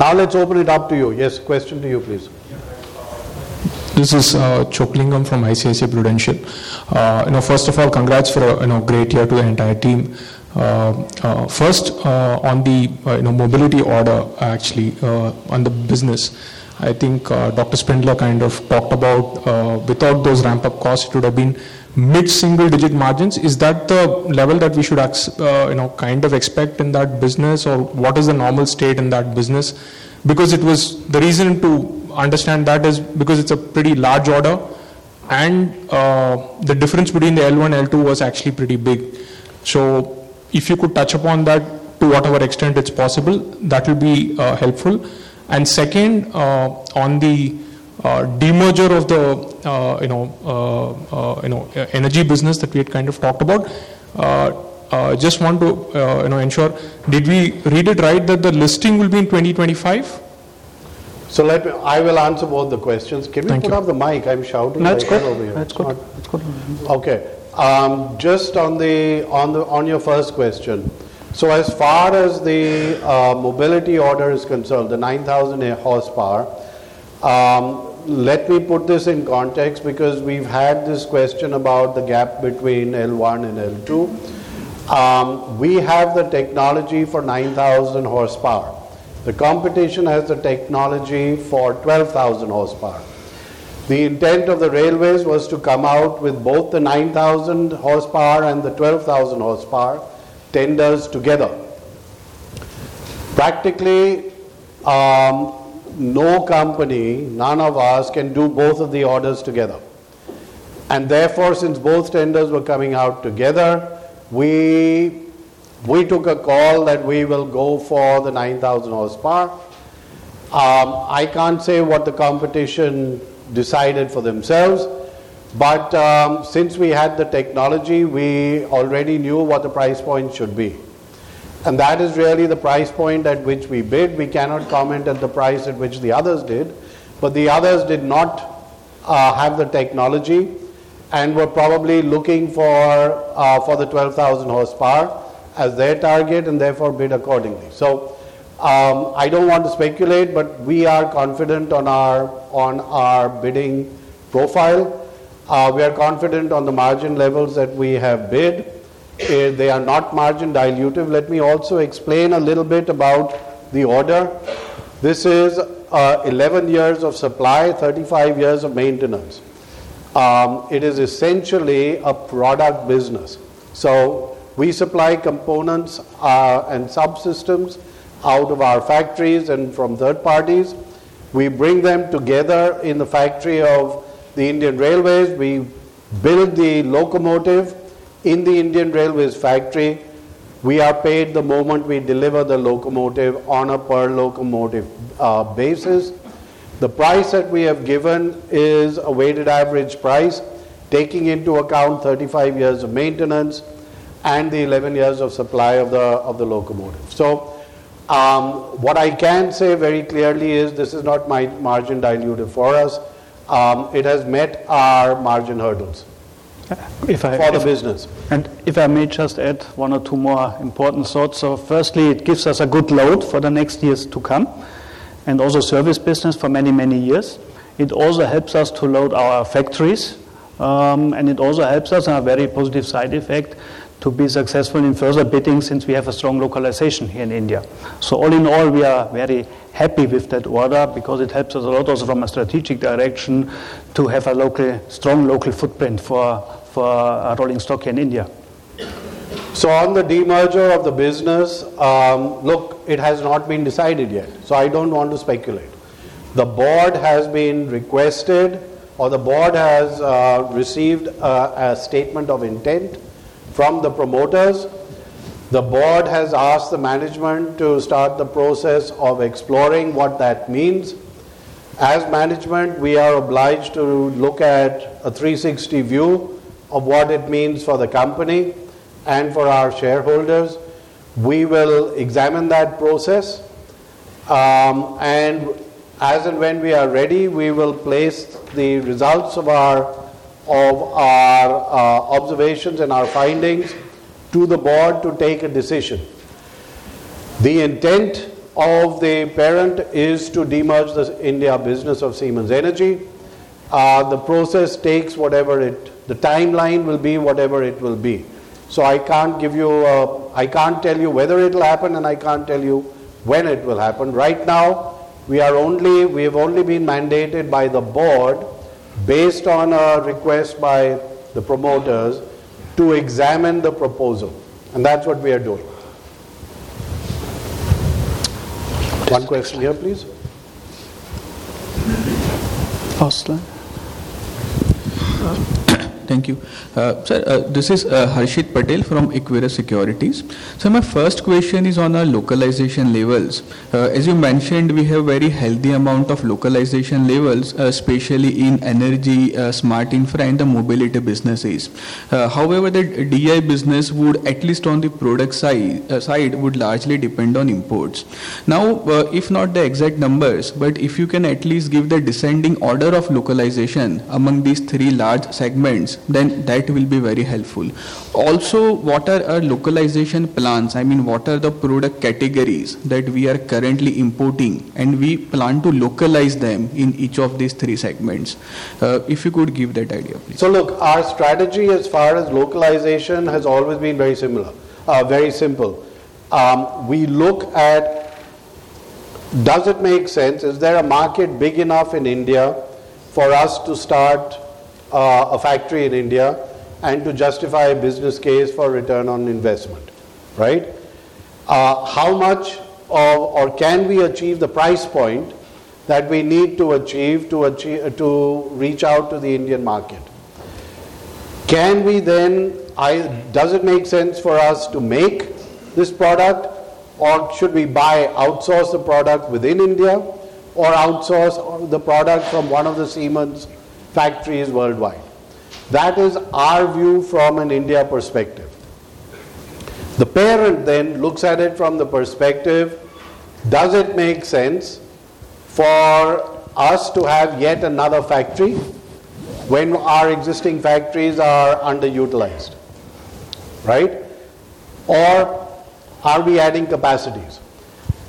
Now, let's open it up to you. Question to you, please. This is Chockalingam from ICICI Prudential. First of all, congrats for great year to the entire team. First, on the mobility order, actually on the business, I think Dr. Spindler kind of talked about without those ramp up cost. It would have been mid single digit margins. Is that the level that we should, you know, expect in that business, or what is the normal state in that business? Because it was the reason to understand that is because it's a pretty large order, and the difference between the L1 L2 was actually pretty big. So, if you could touch upon that to whatever extent it's possible, that will be helpful. And second, on the demerger of the, you know, you know, energy business, that we have kind of talked about, just want to, you know, ensure, did we read it right? That the listing will be in 2025? Let me, I will answer both the questions. Can you put up the mic? I am shouting over here. Okay, just on the on your first question. So, as far as the mobility order is concerned, the 9000 horsepower, let me put this in context, because we have had this question about the gap between L1 and L2. We have the technology for 9000 horsepower. The competition has the technology for 12000 horsepower. The intent of the railways was to come out with both the 9000 horsepower and the 12000 horsepower tenders together. Practically, no company, none of us, can do both of the orders together. And therefore, since both tenders were coming out together, we took a call that we will go for the 9000 horsepower. I can't say what the competition decided for themselves, but since we had the technology, we already knew what the price point should be. And that is really the price point at which we bid. We cannot comment at the price at which the others did, but the others did not have the technology and were probably looking for the 12,000 horsepower as their target, and therefore bid accordingly. So, I don't want to speculate, but we are confident on our bidding profile. We are confident on the margin levels that we have bid. They are not margin dilutive. Let me also explain a little bit about the order. This is 11 years of supply, 35 years of maintenance. It is essentially a product business. So, we supply components and subsystems out of our factories and from third parties. We bring them together in the factory of the Indian Railways. We build the locomotive in the Indian Railways factory. We are paid the moment we deliver the locomotive on a per locomotive basis. The price that we have given is a weighted average price, taking into account 35 years of maintenance and the 11 years of supply of the locomotive. So, what I can say very clearly is this is not margin dilutive for us. It has met our margin hurdles for the business. And if I may just add one or two more important points, so firstly, it gives us a good load for the next years to come, and also service business for many many years. It also helps us to load our factories, and it also helps us on very positive side effect to be successful in further bidding, since we have a strong localization here in India. So, all in all, we are very happy with that order, because it helps us a lot also from a strategic direction to have a local strong local footprint for rolling stock in India. On the demerger of the business, look, it has not been decided yet. I don't want to speculate. The board has been requested, or the board has received a statement of intent from the promoters. The board has asked the management to start the process of exploring what that means. Yes, management, we are obliged to look at a 360 view of what it means for the company and for our shareholders. We will examine that process, and yes, and when we are ready, we will place the results of our observations and our findings to the board to take a decision. The intent of the parent is to demerge the India business of Siemens Energy. The process takes whatever it, the timeline will be whatever it will be. So, I can't give you, I can't tell you whether it will happen, and I can't tell you when it will happen. Right now, we are only, we have only been mandated by the board, based on our request by the promoters to examine the proposal, and that's what we are doing. One question here, please. Thank you, sir. This is Harshit Patel from Equirus Securities. Sir, my first question is on our localization levels. Yes, you mention, we have very healthy amount of localization levels, especially in energy, smart infra and the mobility business. However, that DI business would at least on the product side, would largely depend on imports. Now, if not the exact numbers, but if you can at least give the descending order of localization among this three large segments, then that will be very helpful. Also, what are our localization plans? What are the product categories that we are currently importing, and we plan to localize them in each of this three segments? If you could give that idea, please. Look, our strategy as far as localization has always been very similar, very simple. We look at, does it make sense? Is there a market big enough in India for us to start a factory in India and to justify business case for return on investment? Right? How much of our can we achieve the price point that we need to achieve to achieve to reach out to the Indian market? Can we then? Does it make sense for us to make this product, or should we buy outsource the product within India, or outsource the product from one of the Siemens factories worldwide? That is our view from an India perspective. The parent then looks at it from the perspective. Does it make sense for us to have yet another factory when our existing factories are underutilized? Right? Or are we adding capacities?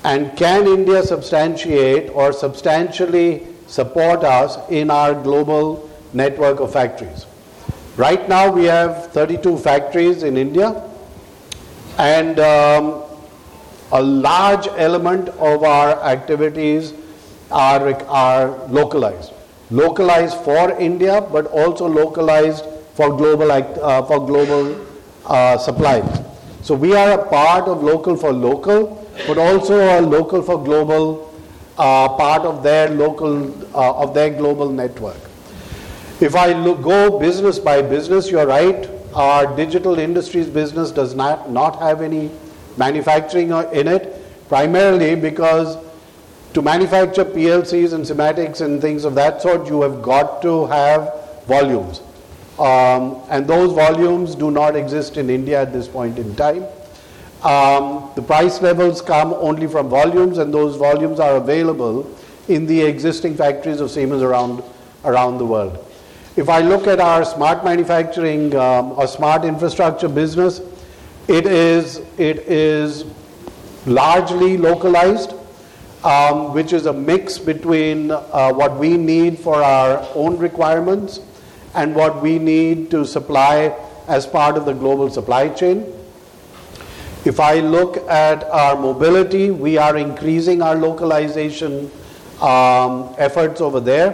And can India substantiate or substantially support us in our global network of factories? Right now, we have 32 factories in India, and a large element of our activities are localized, localized for India, but also localized for global, for global supply. We are a part of local for local, but also local for global, part of their local, of their global network. If I look go business by business, you are right, our Digital Industries business does not have any manufacturing in it, primarily because to manufacture PLCs and SIMATIC and things of that sort, you have got to have volumes, and those volumes do not exist in India at this point in time. The price levels come only from volumes, and those volumes are available in the existing factories of Siemens around around the world. If I look at our Smart Manufacturing, a Smart Infrastructure business, it is, it is largely localized, which is a mix between what we need for our own requirements and what we need to supply as part of the global supply chain. If I look at our Mobility, we are increasing our localization efforts over there.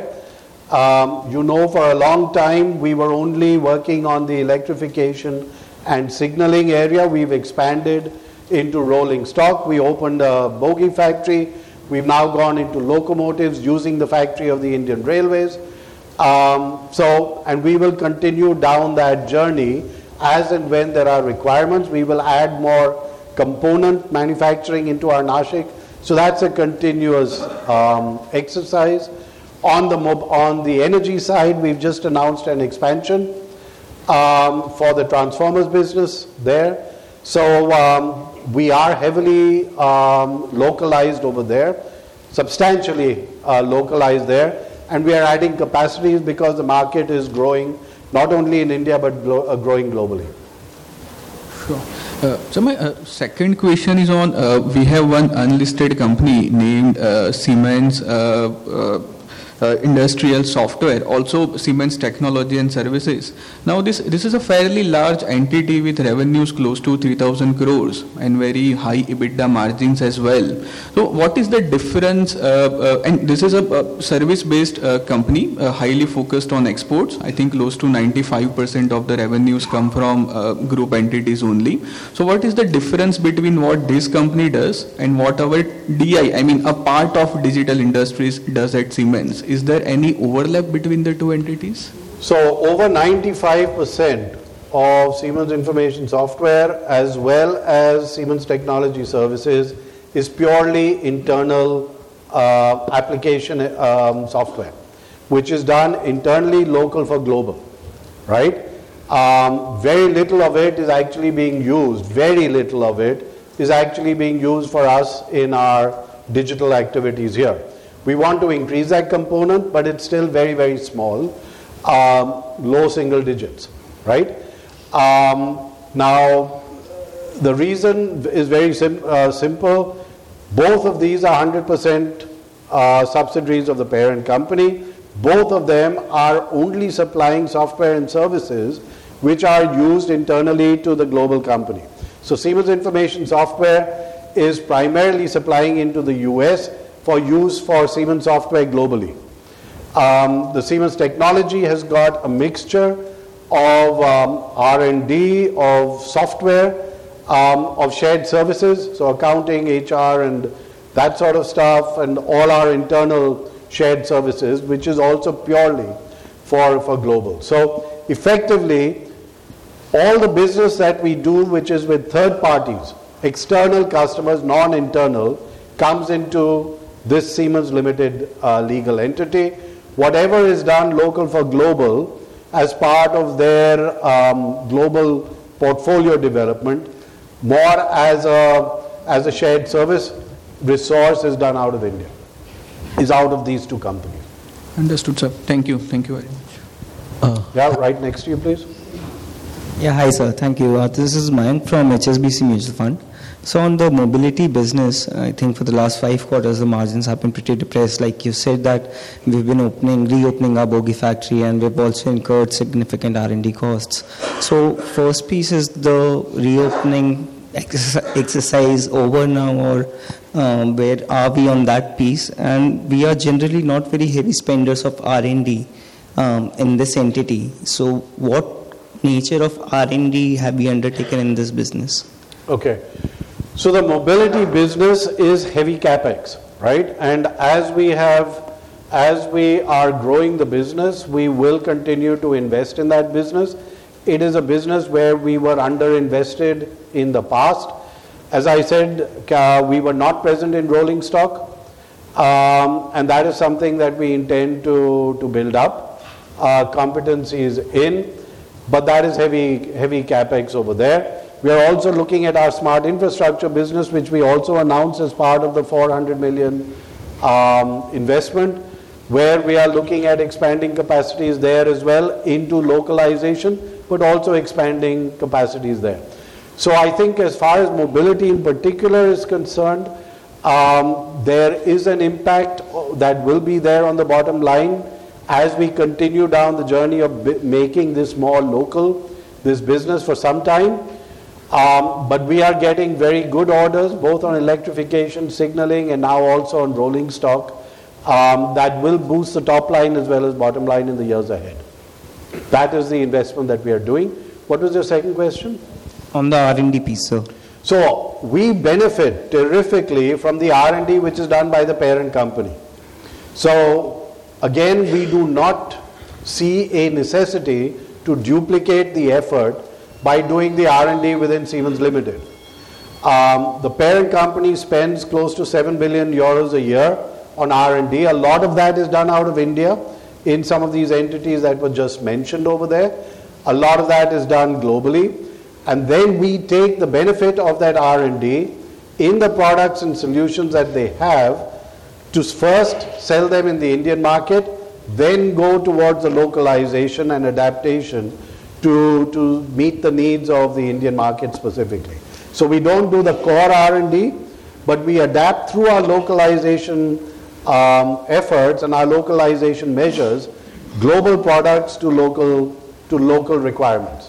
You know, for a long time, we were only working on the electrification and signaling area. We have expanded into rolling stock. We opened the bogie factory. We have now gone into locomotives, using the factory of the Indian Railways. So, and we will continue down that journey, yes, and when there are requirements, we will add more component manufacturing into our Nashik. That's a continuous exercise on the energy side. We have just announced an expansion for the transformers business there. We are heavily localized over there, substantially localized there, and we are adding capacities, because the market is growing, not only in India, but growing globally. Second question is on, we have one unlisted company named Siemens Industrial Software, also Siemens Technology and Services. Now, this is a fairly large entity with revenues close to 3,000 crores and very high EBITDA margins as well. So, what is the difference? And this is a service based company, highly focused on exports. I think close to 95% of the revenues come from group entities only. So, what is the difference between what this company does and what our DI? A part of Digital Industries does at Siemens? Is there any overlap between the two entities? Over 95% of Siemens Information Software, as well as Siemens Technology Services, is purely internal application software, which is done internally local for global. Right? Very little of it is actually being used. Very little of it is actually being used for us in our digital activities here. We want to increase that component, but it's still very very small, low single digits. Right? Now, the reason is very simple. Both of these are 100% subsidiaries of the parent company. Both of them are only supplying software and services, which are used internally to the global company. So, Siemens Information Software is primary supplying into the US for use for Siemens software globally. The Siemens Technology has got a mixture of R&D, of software, of shared services. So, accounting, HR, and that sort of stuff, and all our internal shared services, which is also purely for global. So, effectively, all the business that we do which is with third parties, external customers, non-internal, comes into this Siemens Limited legal entity. Whatever is done local for global as part of their global portfolio development, more as a shared service resource is done out of India, is out of this two company. Understood, sir. Thank you very much. Yeah, right next, you please. Yeah, hi sir. Thank you. This is Mayank from HSBC Mutual Fund. On the mobility business, for the last five quarters, the margins have been pretty depressed. Like you said, that we have been opening, re-opening a Bogie factory, and we have also incurred significant R&D cost. First piece is the re-opening exercise over now, or where are we on that piece. And we are generally not very heavy spenders of R&D in this entity. What nature of R&D have we undertaken in this business? Okay, so the mobility business is heavy CapEx. Right? And yes, we have, yes, we are growing the business. We will continue to invest in that business. It is a business where we were under invested in the past. Yes, I said, we were not present in rolling stock. And that is something that we intend to build up. Competencies in, but that is heavy, heavy capex over there. We are also looking at our smart infrastructure business, which we also announced as part of the 400 million investment, where we are looking at expanding capacities there as well into localization, but also expanding capacities there. As far as mobility in particular is concerned, there is an impact that will be there on the bottom line as we continue down the journey of making this more local, this business for some time. But we are getting very good orders, both on electrification, signaling, and now also on rolling stock that will boost the top line as well as bottom line in the years ahead. That is the investment that we are doing. What was your second question? On the R&D piece, sir. So, we benefit terrifically from the R&D, which is done by the parent company. So, again, we do not see a necessity to duplicate the effort by doing the R&D within Siemens Limited. The parent company spends close to seven billion euros a year on R&D. A lot of that is done out of India in some of these entities that were just mentioned over there. A lot of that is done globally. And then, we take the benefit of that R&D in the products and solutions that they have to first sell them in the Indian market, then go toward the localization and adaptation to meet the needs of the Indian market specifically. We don't do the core R&D, but we adapt through our localization efforts and our localization measures, global products to local, to local requirements.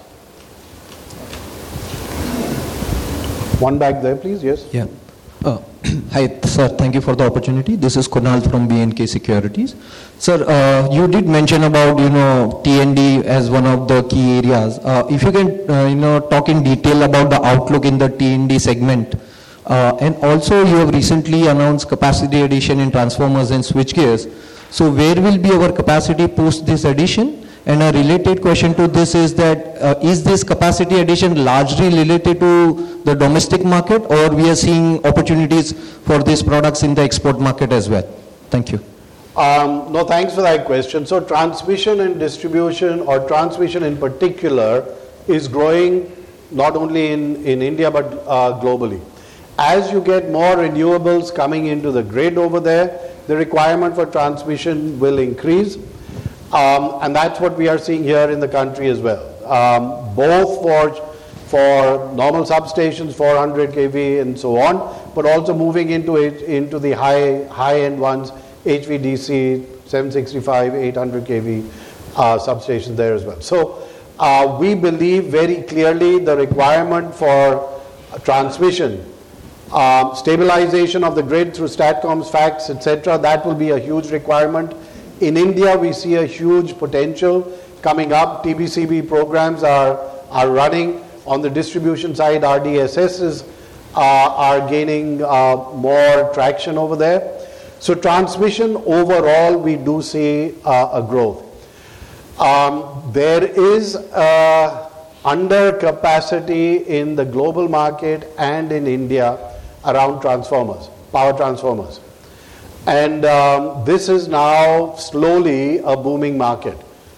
One back there, please. Yes, Yeah, hi sir. Thank you for the opportunity. This is Kunal from BNK Securities. Sir, you did mention about you know T&D as one of the key areas. If you can, talk in detail about the outlook in the T&D segment. And also, you have recently announced capacity addition in transformers and switchgears. Where will be our capacity post this addition? And a related question to this is that, is this capacity addition largely related to the domestic market? Or we are seeing opportunities for this products in the export market as well? Thank you. No, thanks for that question. Transmission and distribution, or transmission in particular, is growing not only in India, but globally. As you get more renewables coming into the grid over there, the requirement for transmission will increase. And that's what we are seeing here in the country as well. Both for normal substations, 400 kV, and so on, but also moving into the high, high end ones, HVDC 765, 800 kV substations there as well. So, we believe very clearly, the requirement for transmission, stabilization of the grid through STATCOMS, FACTS, etcetera, that will be a huge requirement. In India, we see a huge potential coming up. TBCB programs are running on the distribution side. RDSS is gaining more traction over there. So, transmission overall, we do see a growth. There is under capacity in the global market and in India around transformers, power transformers. And this is now slowly a booming market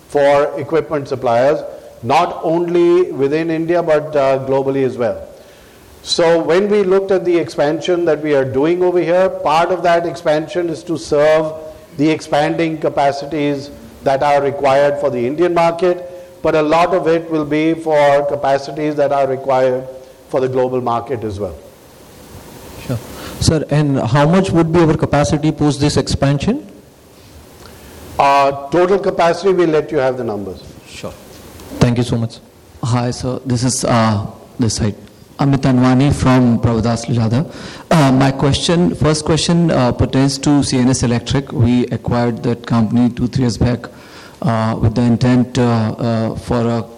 for equipment suppliers, not only within India, but globally as well. So, when we look at the expansion that we are doing over here, part of that expansion is to serve the expanding capacities that are required for the Indian market. But a lot of it will be for capacities that are required for the global market as well. Sir, and how much would be our capacity post this expansion? Total capacity, we let you have the numbers. Thank you so much. Hi sir, this is this side, Amit Anwani from Prabhudas Lilladher. My question, first question, pertains to CNS Electric. We acquired that company two three years back, with the intent for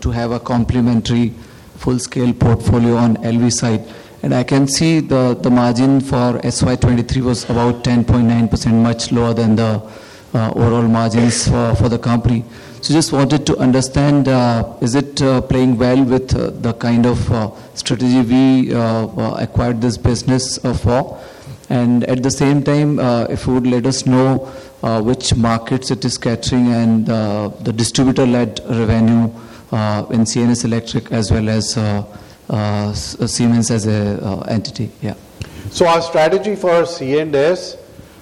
to have a complementary full scale portfolio on LV side. And I can see the the margin for FY 23 was about 10.9%, much lower than the overall margins for the company. So, just wanted to understand, is it playing well with the kind of strategy we acquired this business for? And at the same time, if you would let us know, which markets it is catering and the distributor led revenue in CNS Electric, as well as Siemens as an entity. Yeah, so our strategy for CNS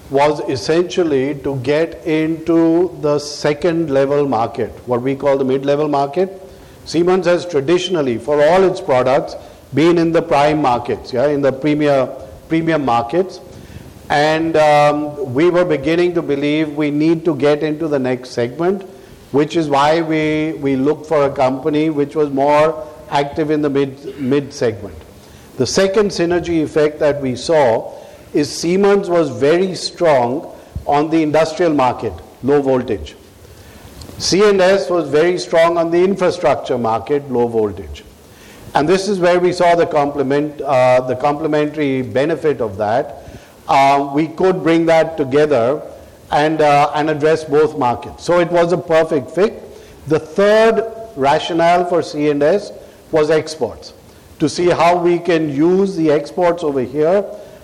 was essentially to get into the second level market, what we call the mid level market. Siemens has traditionally for all its products been in the prime markets, yeah in the premier premium markets. And we were beginning to believe, we need to get into the next segment, which is why we look for a company, which was more active in the mid segment. The second synergy effect that we saw is, Siemens was very strong on the industrial market, low voltage. CNS was very strong on the infrastructure market, low voltage. And this is where we saw the complement, the complementary benefit of that. We could bring that together and address both markets. So, it was a perfect fit. The third rational for CNS was exports, to see how we can use the exports over here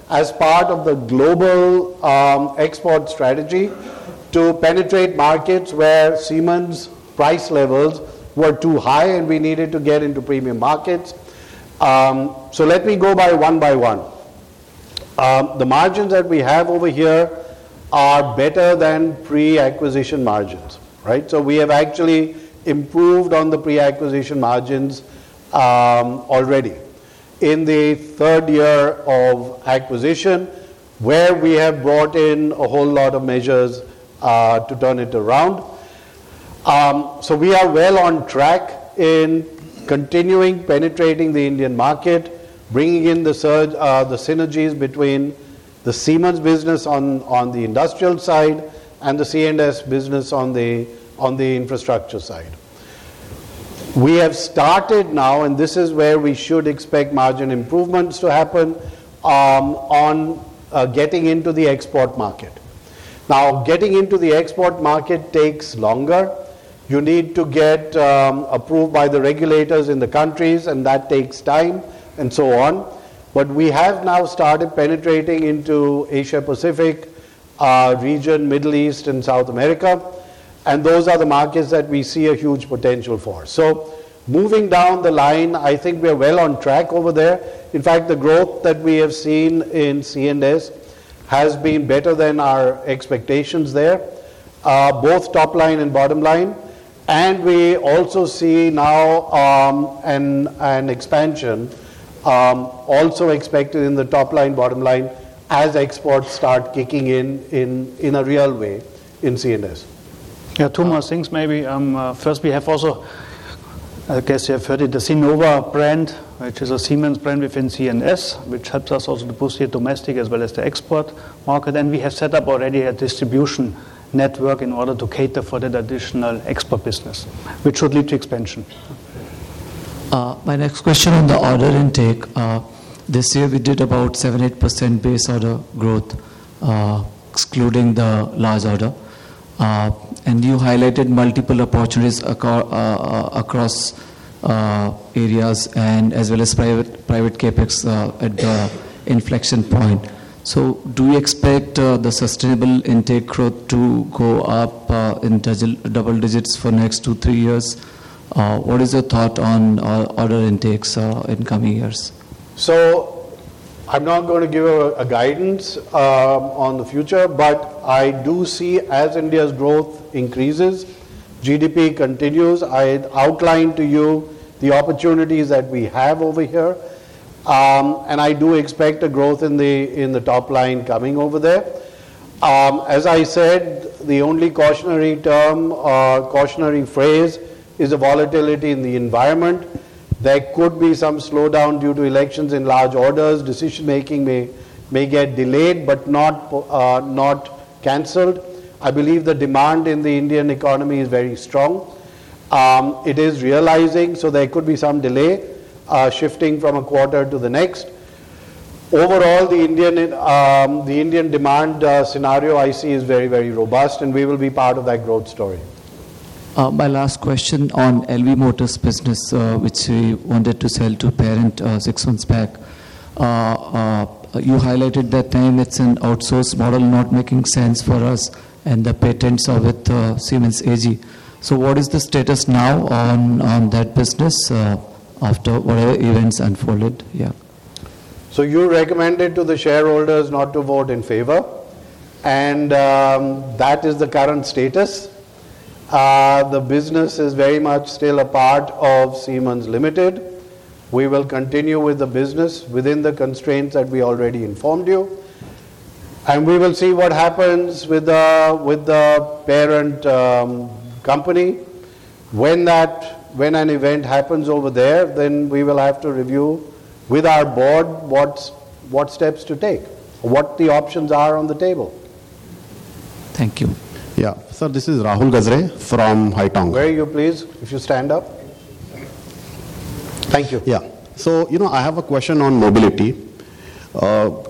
as part of the global export strategy, to penetrate markets where cement's price levels were too high. And we needed to get into premium markets. So, let me go by one by one. The margins that we have over here are better than pre-acquisition margins. Right? So, we have actually improved on the pre-acquisition margins already in the third year of acquisition, where we have brought in a whole lot of measures to turn it around. So, we are well on track in continuing penetrating the Indian market, bringing in the search, the synergies between the Siemens business on the industrial side and the CNS business on the infrastructure side. We have started now, and this is where we should expect margin improvements to happen on getting into the export market. Now, getting into the export market takes longer. You need to get approved by the regulators in the countries, and that takes time and so on. But we have now started penetrating into Asia Pacific, a region, Middle East and South America. And those are the markets that we see a huge potential for. So, moving down the line, I think we are well on track over there. In fact, the growth that we have seen in CNS has been better than our expectations there, both top line and bottom line. And we also see now an expansion, also expected in the top line, bottom line, yes, exports start kicking in in a real way in CNS. Yes, two more things maybe. First, we have also, I guess you have heard it, the Sinova brand, which is a Siemens brand within CNS, which helps us also to boost it domestic as well as the export market. And we have set up already a distribution network in order to cater for that additional export business, which should lead to expansion. My next question on the order intake, this year we did about 78% base order growth, excluding the large order. And you highlighted multiple opportunities across areas, and as well as private CapEx at the inflection point. So, do you expect the sustainable intake growth to go up in double digits for next two to three years? What is your thought on order intakes in coming years? So, I am not going to give you a guidance on the future, but I do see as India's growth increases, GDP continues. I have outlined to you the opportunities that we have over here. And I do expect a growth in the top line coming over there. Yes, I said, the only cautionary term, cautionary phrase is a volatility in the environment. There could be some slow down due to elections in large orders. Decision making may get delayed, but not cancelled. I believe the demand in the Indian economy is very strong. It is realizing, so there could be some delay, shifting from a quarter to the next. Overall, the Indian demand scenario I see is very robust, and we will be part of that growth story. My last question on LV Motors business, which we wanted to sell to parent six months back. You highlighted that time, it's on outsource model, not making sense for us, and the patents are with Siemens AG. So, what is the status now on that business after what every events unfold? Ya, so you recommended to the shareholders not to vote in favor, and that is the current status. The business is very much still a part of Siemens Limited. We will continue with the business within the constraints that we already informed you, and we will see what happens with the with the parent company. When that, when an event happens over there, then we will have to review with our board, what's what steps to take, what the options are on the table. Thank you. Ya, sir, this is Rahul Gajare from Haitong. Where are you please, if you stand up. Thank you. Yeah, so you know, I have a question on mobility.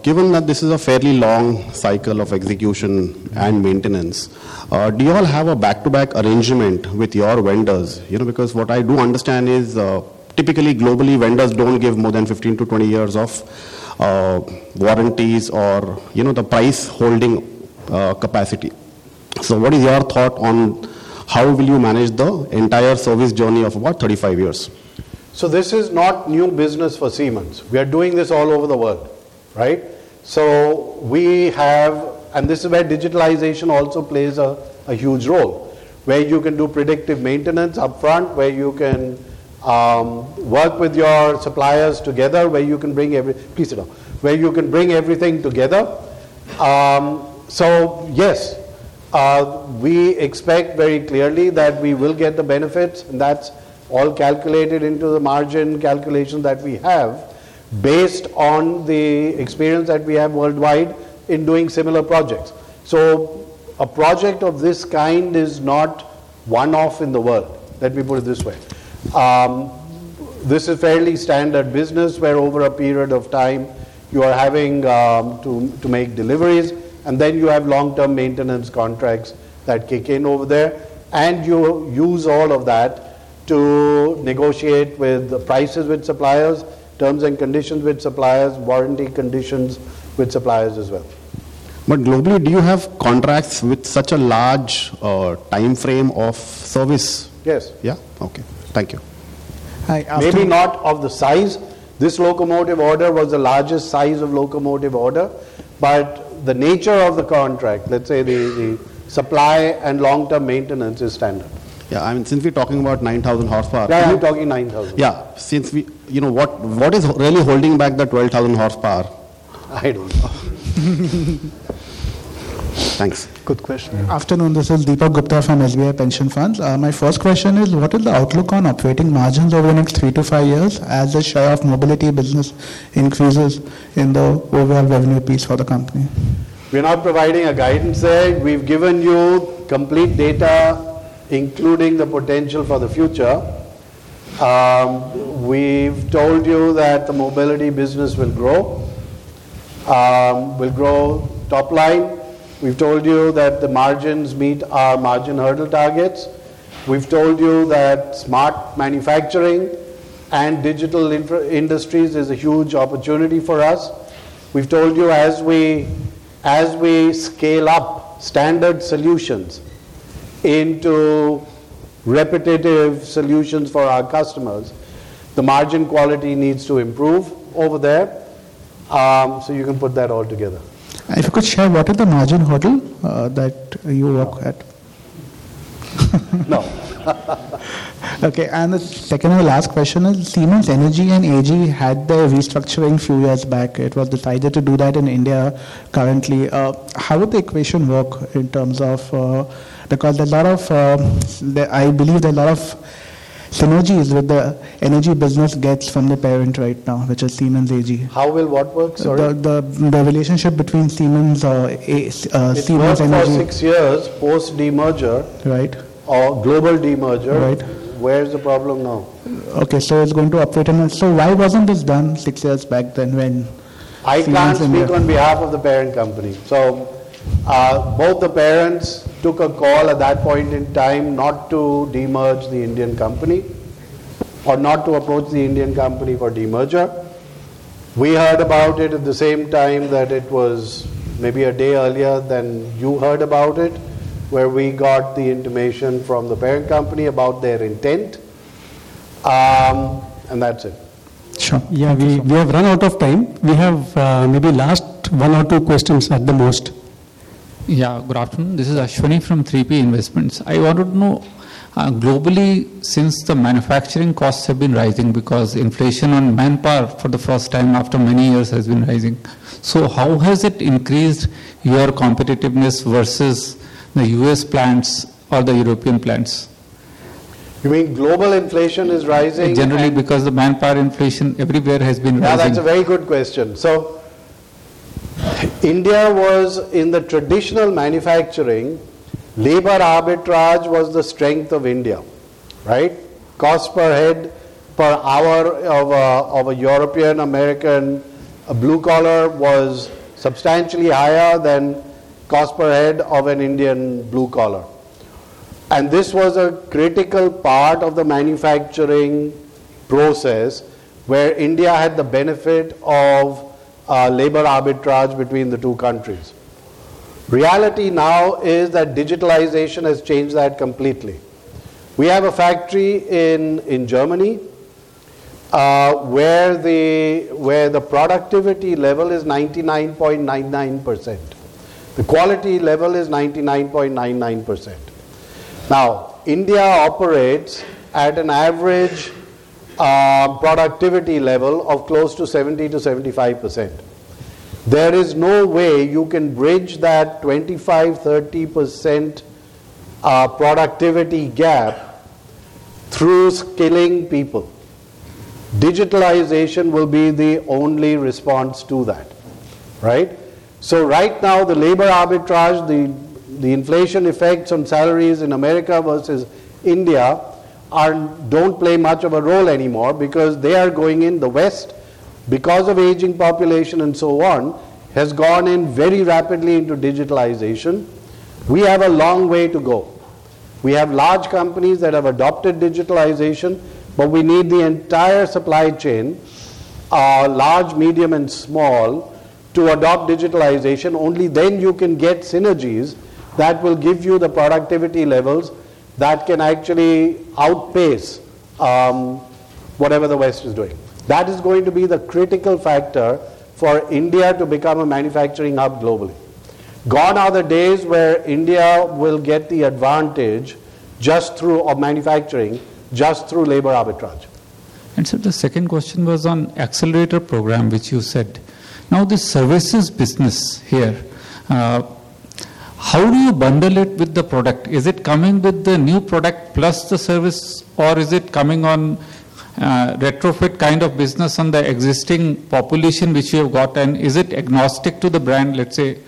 Given that, this is a fairly long cycle of execution and maintenance. Do you all have a back to back arrangement with your vendors? You know, because what I do understand is typically globally, vendors don't give more than 15 to 20 years of warranties or you know, the price holding capacity. So, what is your thought on how will you manage the entire service journey of about 35 years? So, this is not new business for Siemens. We are doing this all over the world, right? So, we have, and this is where digitalization also plays a huge role, where you can do predictive maintenance up front, where you can work with your suppliers together, where you can bring every please, sit down, where you can bring everything together. So, yes, we expect very clearly that we will get the benefits, and that's all calculated into the margin calculation that we have based on the experiences that we have worldwide in doing similar projects. So, a project of this kind is not one of one in the world. Let me put it this way. This is fairly standard business, where over a period of time, you are having to make deliveries, and then you have long term maintenance contracts that kick in over there, and you use all of that to negotiate with the prices, with suppliers, terms and conditions, with suppliers, warranty conditions, with suppliers as well. But globally, do you have contracts with such a large time frame of service? Yes, yeah, okay, thank you. Hi, may be not of the size. This locomotive order was the largest size of locomotive order, but the nature of the contract, let's say, the supply and long term maintenance is standard. Yeah, I mean, since we are talking about 9000 horsepower, you talking 9000. Yeah, since we you know, what is really holding back the 12000 horsepower? I don't know. Thanks. Good question. Afternoon, this is Deepak Gupta from SBI Pension Funds. My first question is, what is the outlook on operating margins over the next three to five years, as a share of mobility business increases in the overall revenue piece for the company? We are not providing any guidance there. We have given you complete data, including the potential for the future. We have told you that the mobility business will grow, will grow top line. We have told you that the margins meet our margin hurdle targets. We have told you that smart manufacturing and digital industries is a huge opportunity for us. We have told you, yes, we, yes, we scale up standard solutions into repetitive solutions for our customers. The margin quality needs to improve over there, so you can put that all together. If you could share, what is the margin hurdle that you work at? No. Okay, and second and last question is, Siemens Energy and AG had their restructuring few years back. It was decided to do that in India currently. How would the equation work in terms of the cost? There are lot of, I believe, there are lot of synergies with the energy business gets from the parent right now, which is Siemens AG. How will what work? Sorry, the relationship between Siemens, Siemens Energy for six years post the merger, right? Our global demerger, right? Where is the problem now? Okay, so it's going to update. So, why was this done six years back? Then when I can't speak on behalf of the parent company. So, both the parents took a call at that point in time not to demerge the Indian company or not to approach the Indian company for demerger. We heard about it at the same time that it was maybe a day earlier then you heard about it, where we got the information from the parent company about their intent, and that's it. Sure, yeah, we have run out of time. We have maybe last one or two questions at the most. Yeah, good afternoon. This is Ashwini from 3P Investments. I wanted to know, globally, since the manufacturing cost have been rising, because inflation on man power for the first time after many years have been rising. So, how has it increased your competitiveness versus the US plants or the European plants? You mean, global inflation is rising generally, because the manpower inflation everywhere have been rising? That's a very good question. So, India was in the traditional manufacturing. Labor arbitrage was the strength of India, right? Cost per head per hour of a European American blue collar was substantially higher than cost per head of an Indian blue collar. And this was a critical part of the manufacturing process, where India had the benefit of labor arbitrage between the two countries. Reality now is that digitalization has changed that completely. We have a factory in Germany, where the productivity level is 99.9%. The quality level is 99.9%. Now, India operates at an average productivity level of close to 70% to 75%. There is no way you can bridge that 25-30% productivity gap through skilling people. Digitalization will be the only response to that, right? So, right now, the labor arbitrage, the inflation effects on salaries in America versus India are don't play much of a role anymore, because they are going in the West, because of aging population and so on, has gone in very rapidly into digitalization. We have a long way to go. We have large companies that have adapted digitalization, but we need the entire supply chain, large, medium and small, to adapt digitalization. Only then you can get synergies that will give you the productivity levels that can actually outpace whatever the West is doing. That is going to be the critical factor for India to become a manufacturing hub globally. Gone are the days where India will get the advantage just through manufacturing, just through labor arbitrage. And sir, the second question was on Xcelerator program, which you said. Now, the services business here, how do you bundle it with the product? Is it coming with the new product plus the service, or is it coming on retrofit kind of business on the existing population, which you have got? And is it agnostic to the brand? Let's say,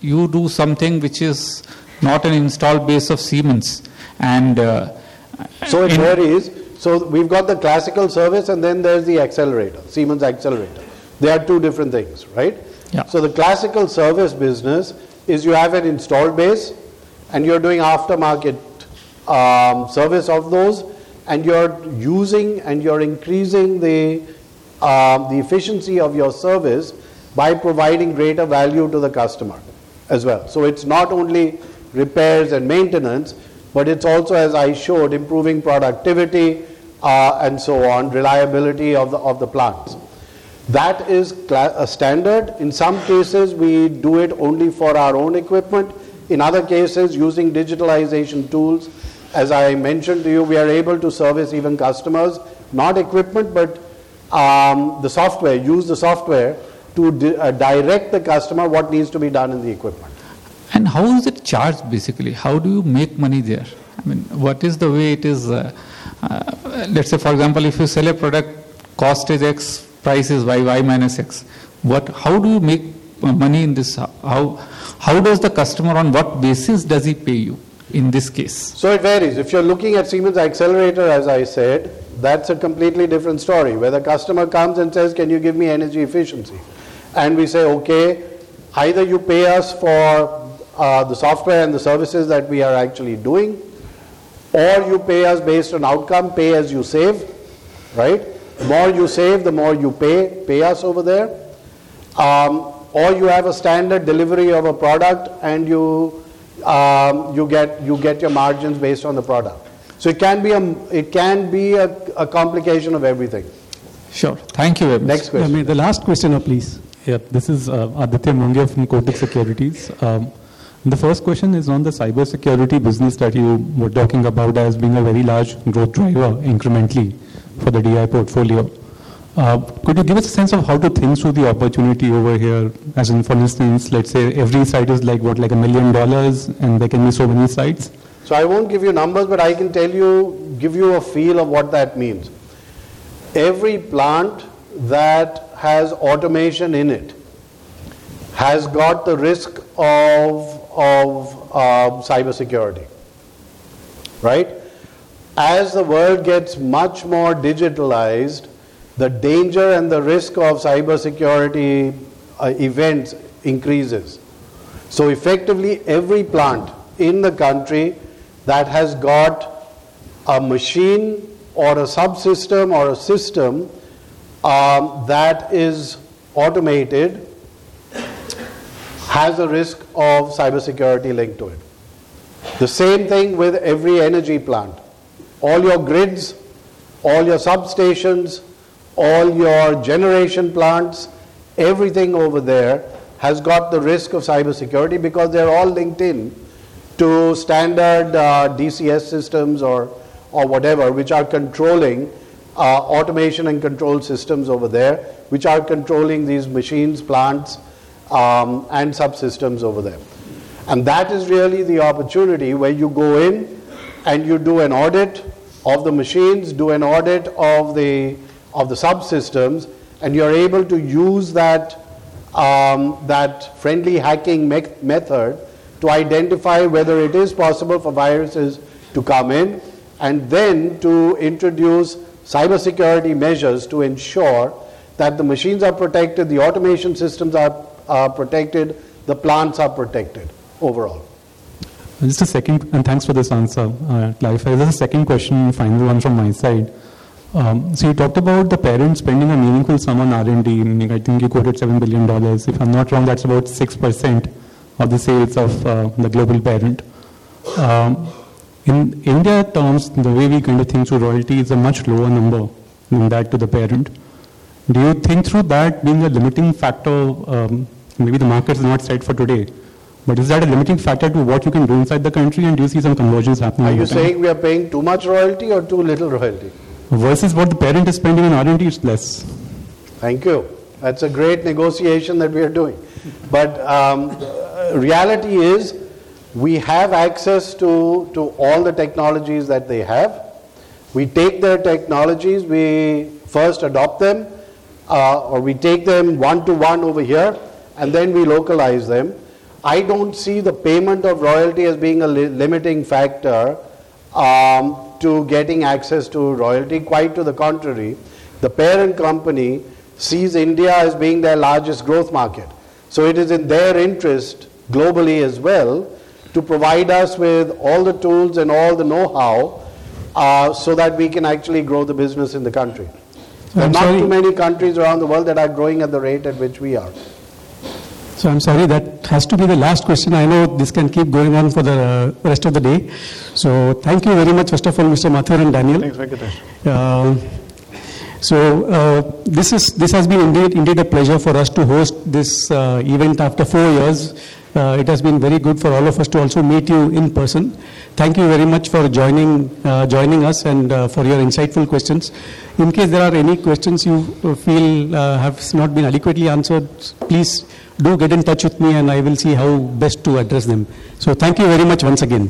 you do something, which is not on install base of Siemens. And so, it where is, so we have got the classical service, and then there is the Xcelerator, Siemens Xcelerator. They are two different things, right? So, the classical service business is you have an install base, and you are doing after-market service of those, and you are using, and you are increasing the efficiency of your service by providing greater value to the customer as well. So, it's not only repairs and maintenance, but it's also, yes, I should, improving productivity and so on, reliability of the plants. That is standard. In some cases, we do it only for our own equipment. In other cases, using digitalization tools, yes, I mention to you, we are able to service even customers, not equipment, but the software. Use the software to direct the customer what needs to be done in the equipment. And how is it charged? Basically, how do you make money there? I mean, what is the way? It is, let's say, for example, if you sell a product, cost is X, price is Y, Y minus X. What? How do you make money in this? How does the customer on what basis? Does he pay you in this case? So, it where is, if you are looking at Siemens Xcelerator, yes, I said, that's a completely different story. Where the customer comes and says, can you give me energy efficiency? And we say, okay, either you pay us for the software and the services that we are actually doing, or you pay us based on outcome, pay as you save, right? More you save, the more you pay, pay us over there. Or you have a standard delivery of a product, and you get your margins based on the product. So, it can be, it can be a combination of everything. Sure, thank you very much. Next question, the last question, please. Yes, this is Aditya Mongia from Kotak Securities. The first question is on the cyber security business that you were talking about as being a very large growth driver incrementally for the DI portfolio. Could you give us a sense of how to think to the opportunity over here? Yes, in for instance, let's say, every site is like what, like a million dollars, and there can be so many sites. So, I won't give you numbers, but I can tell you, give you a feel of what that means. Every plant that has automation in it has got the risk of cyber security, right? Yes, the world gets much more digitalized, the danger and the risk of cyber security events increases. So, effectively, every plant in the country that has got a machine or a subsystem or a system that is automated has a risk of cybersecurity linked to it. The same thing with every energy plant, all your grids, all your substations, all your generation plants, everything over there has got the risk of cybersecurity, because they are all linked into standard DCS systems or whatever, which are controlling automation and control systems over there, which are controlling these machines, plants and subsystems over there. And that is really the opportunity, where you go in and you do an audit of the machines, do an audit of the subsystems, and you are able to use that friendly hacking method to identify whether it is possible for viruses to come in, and then to introduce cybersecurity measures to ensure that the machines are protected, the automation systems are protected, the plants are protected overall. Just a second, and thanks for this answer, clarify. This is a second question, final one from my side. So, you talked about the parent spending a meaningful sum on R&D. I think you quote $7 billion. If I am not wrong, that's about 6% of the sales of the global parent in India terms. The way we kind of think to royalty is a much lower number than that to the parent. Do you think through that, being a limiting factor? Maybe the market is not set for today, but is that a limiting factor to what you can do inside the country? And do you see some conversations happening? I you say, we are paying too much royalty or too little royalty versus what the parent is spending on R&D. Is less. Thank you, that's a great negotiation that we are doing. But reality is, we have access to all the technologies that they have. We take their technologies, we first adapt them, or we take them one to one over here, and then we localize them. I don't see the payment of royalty as being a limiting factor to getting access to royalty. Quite to the contrary, the parent company sees India as being their largest growth market. So, it is in their interest globally as well to provide us with all the tools and all the know-how, so that we can actually grow the business in the country. So, much to many countries around the world that are growing at the rate at which we are. I am sorry, that has to be the last question. I know, this can keep going on for the rest of the day. Thank you very much, first of all, Mr. Mathur and Daniel. Thanks very much. This is, this has been indeed a pleasure for us to host this event after four years. It has been very good for all of us to also meet you in person. Thank you very much for joining, joining us and for your insightful questions. In case there are any questions, you feel have not been adequately answered, please do get in touch with me, and I will see how best to address them. So, thank you very much once again.